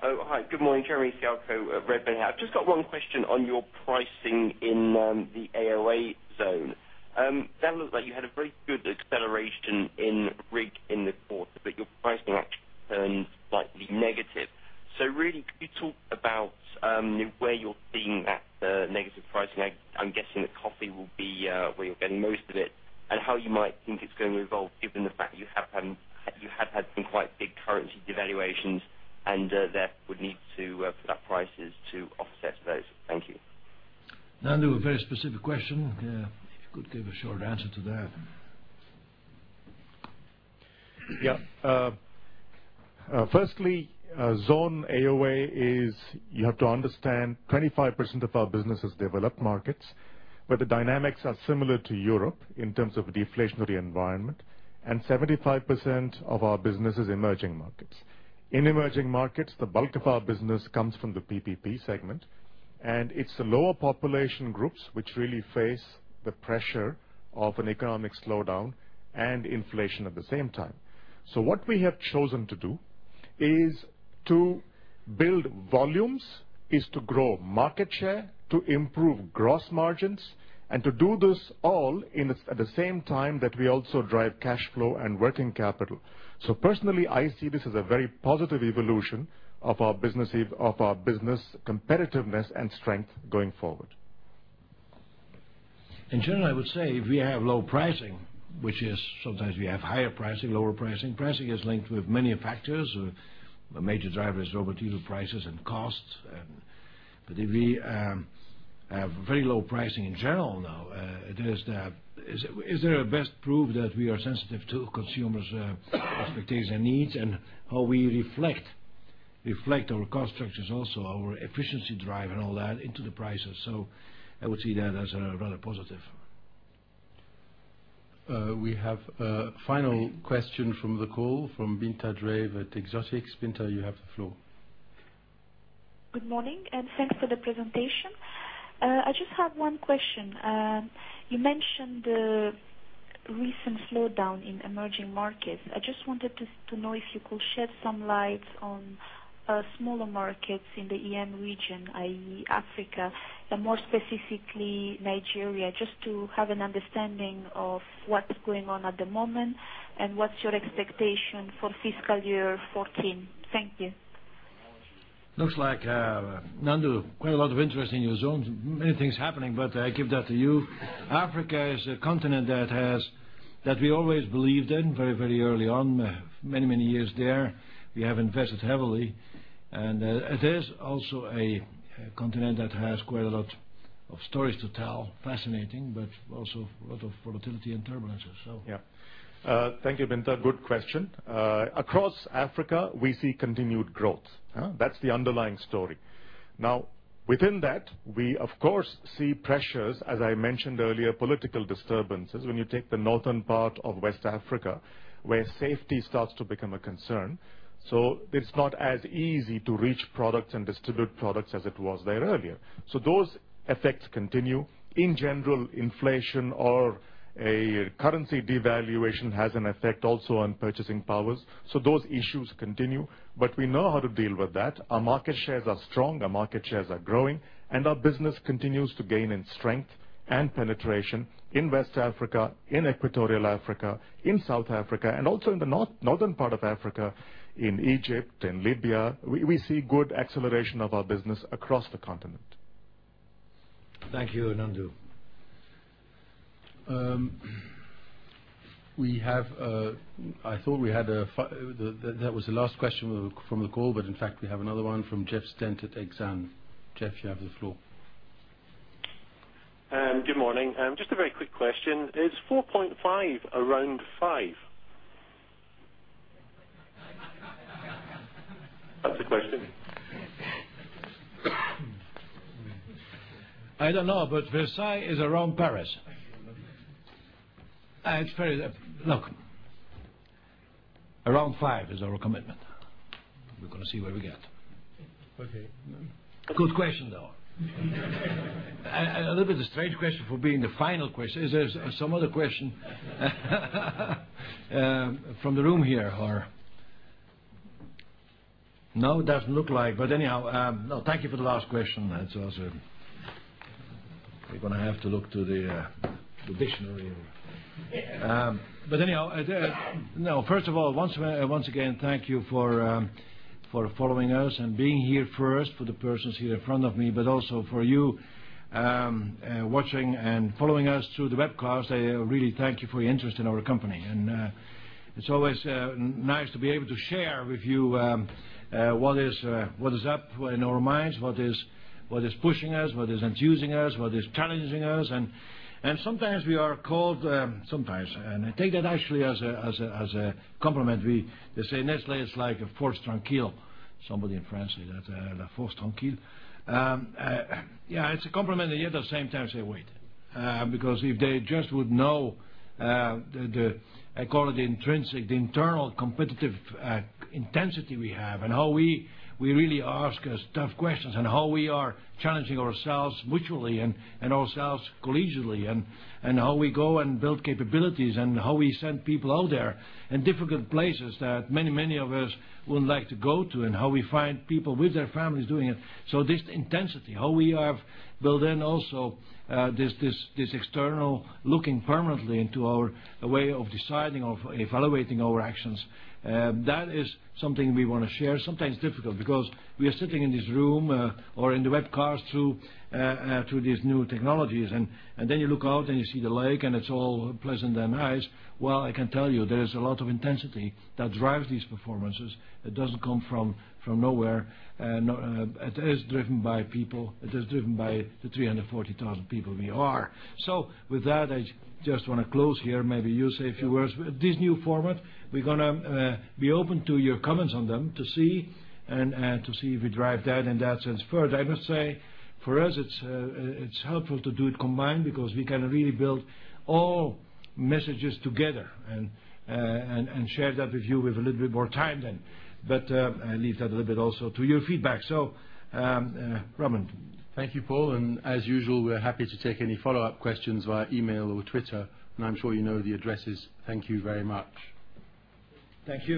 Hi. Good morning. Jeremy Fialko of Redburn. I've just got one question on your pricing in the Zone AOA. That looked like you had a very good acceleration in RIG in the quarter, but your pricing actually turned slightly negative. Really, could you talk about where you're seeing that negative pricing? I'm guessing that coffee will be where you're getting most of it, and how you might think it's going to evolve given the fact you have had some quite big currency devaluations, and therefore would need to put up prices to offset those. Thank you. Nandu, a very specific question. If you could give a short answer to that. Yeah. Firstly, Zone AOA is, you have to understand, 25% of our business is developed markets, where the dynamics are similar to Europe in terms of deflationary environment, and 75% of our business is emerging markets. In emerging markets, the bulk of our business comes from the PPP segment, and it's the lower population groups which really face the pressure of an economic slowdown and inflation at the same time. What we have chosen to do is to build volumes, is to grow market share, to improve gross margins, and to do this all at the same time that we also drive cash flow and working capital. Personally, I see this as a very positive evolution of our business competitiveness and strength going forward. In general, I would say if we have low pricing, which is sometimes we have higher pricing, lower pricing. Pricing is linked with many factors. A major driver is raw material prices and costs. If we have very low pricing in general now, it is the best proof that we are sensitive to consumers' expectations and needs, and how we reflect our cost structures also, our efficiency drive and all that into the prices. I would see that as rather positive. We have a final question from the call from Binta Dreve at Exotix. Binta, you have the floor. Good morning, and thanks for the presentation. I just had one question. You mentioned the recent slowdown in emerging markets. I just wanted to know if you could shed some light on smaller markets in the EM region, i.e., Africa, and more specifically Nigeria, just to have an understanding of what's going on at the moment, and what's your expectation for fiscal year 2014. Thank you. Looks like Nandu, quite a lot of interest in your zones. Many things happening, but I give that to you. Africa is a continent that we always believed in very early on. Many years there. We have invested heavily. It is also a continent that has quite a lot of stories to tell. Fascinating, but also a lot of volatility and turbulence as well. Yeah. Thank you, Binta. Good question. Across Africa, we see continued growth. That's the underlying story. Now, within that, we of course see pressures, as I mentioned earlier, political disturbances, when you take the northern part of West Africa, where safety starts to become a concern. It's not as easy to reach products and distribute products as it was there earlier. Those effects continue. In general, inflation or a currency devaluation has an effect also on purchasing powers. Those issues continue. We know how to deal with that. Our market shares are strong, our market shares are growing, and our business continues to gain in strength and penetration in West Africa, in Equatorial Africa, in South Africa, and also in the northern part of Africa, in Egypt, in Libya. We see good acceleration of our business across the continent. Thank you, Nandu. I thought that was the last question from the call, in fact, we have another one from Jeff Stent at Exane. Jeff, you have the floor. Good morning. Just a very quick question. Is 4.5 around 5? That's the question. I don't know. Versailles is around Paris. Look. Around 5 is our commitment. We're going to see where we get. Okay. Good question, though. A little bit of a strange question for being the final question. Is there some other question from the room here, or No, it doesn't look like. Anyhow, no. First of all, once again, thank you for following us and being here for us, for the persons here in front of me, but also for you watching and following us through the webcast. I really thank you for your interest in our company. It's always nice to be able to share with you what is up in our minds, what is pushing us, what is enthusing us, what is challenging us. Sometimes we are called, sometimes. I take that actually as a compliment. They say Nestlé is like a Force Tranquille. Somebody in France said that, "La Force Tranquille." Yeah, it's a compliment, yet at the same time, I say, "Wait." If they just would know the, I call it the intrinsic, the internal competitive intensity we have, and how we really ask tough questions, and how we are challenging ourselves mutually and ourselves collegially, and how we go and build capabilities, and how we send people out there in difficult places that many of us wouldn't like to go to, and how we find people with their families doing it. This intensity, how we have built in also this external looking permanently into our way of deciding, of evaluating our actions. That is something we want to share. Sometimes difficult because we are sitting in this room or in the webcast through these new technologies. You look out and you see the lake, and it's all pleasant and nice. Well, I can tell you, there is a lot of intensity that drives these performances. It doesn't come from nowhere. It is driven by people. It is driven by the 340,000 people we are. With that, I just want to close here. Maybe you say a few words. This new format, we're going to be open to your comments on them to see if we drive that in that sense further. I must say, for us, it's helpful to do it combined because we can really build all messages together and share that with you with a little bit more time then. I leave that a little bit also to your feedback. Robin. Thank you, Paul, and as usual, we're happy to take any follow-up questions via email or Twitter, and I'm sure you know the addresses. Thank you very much. Thank you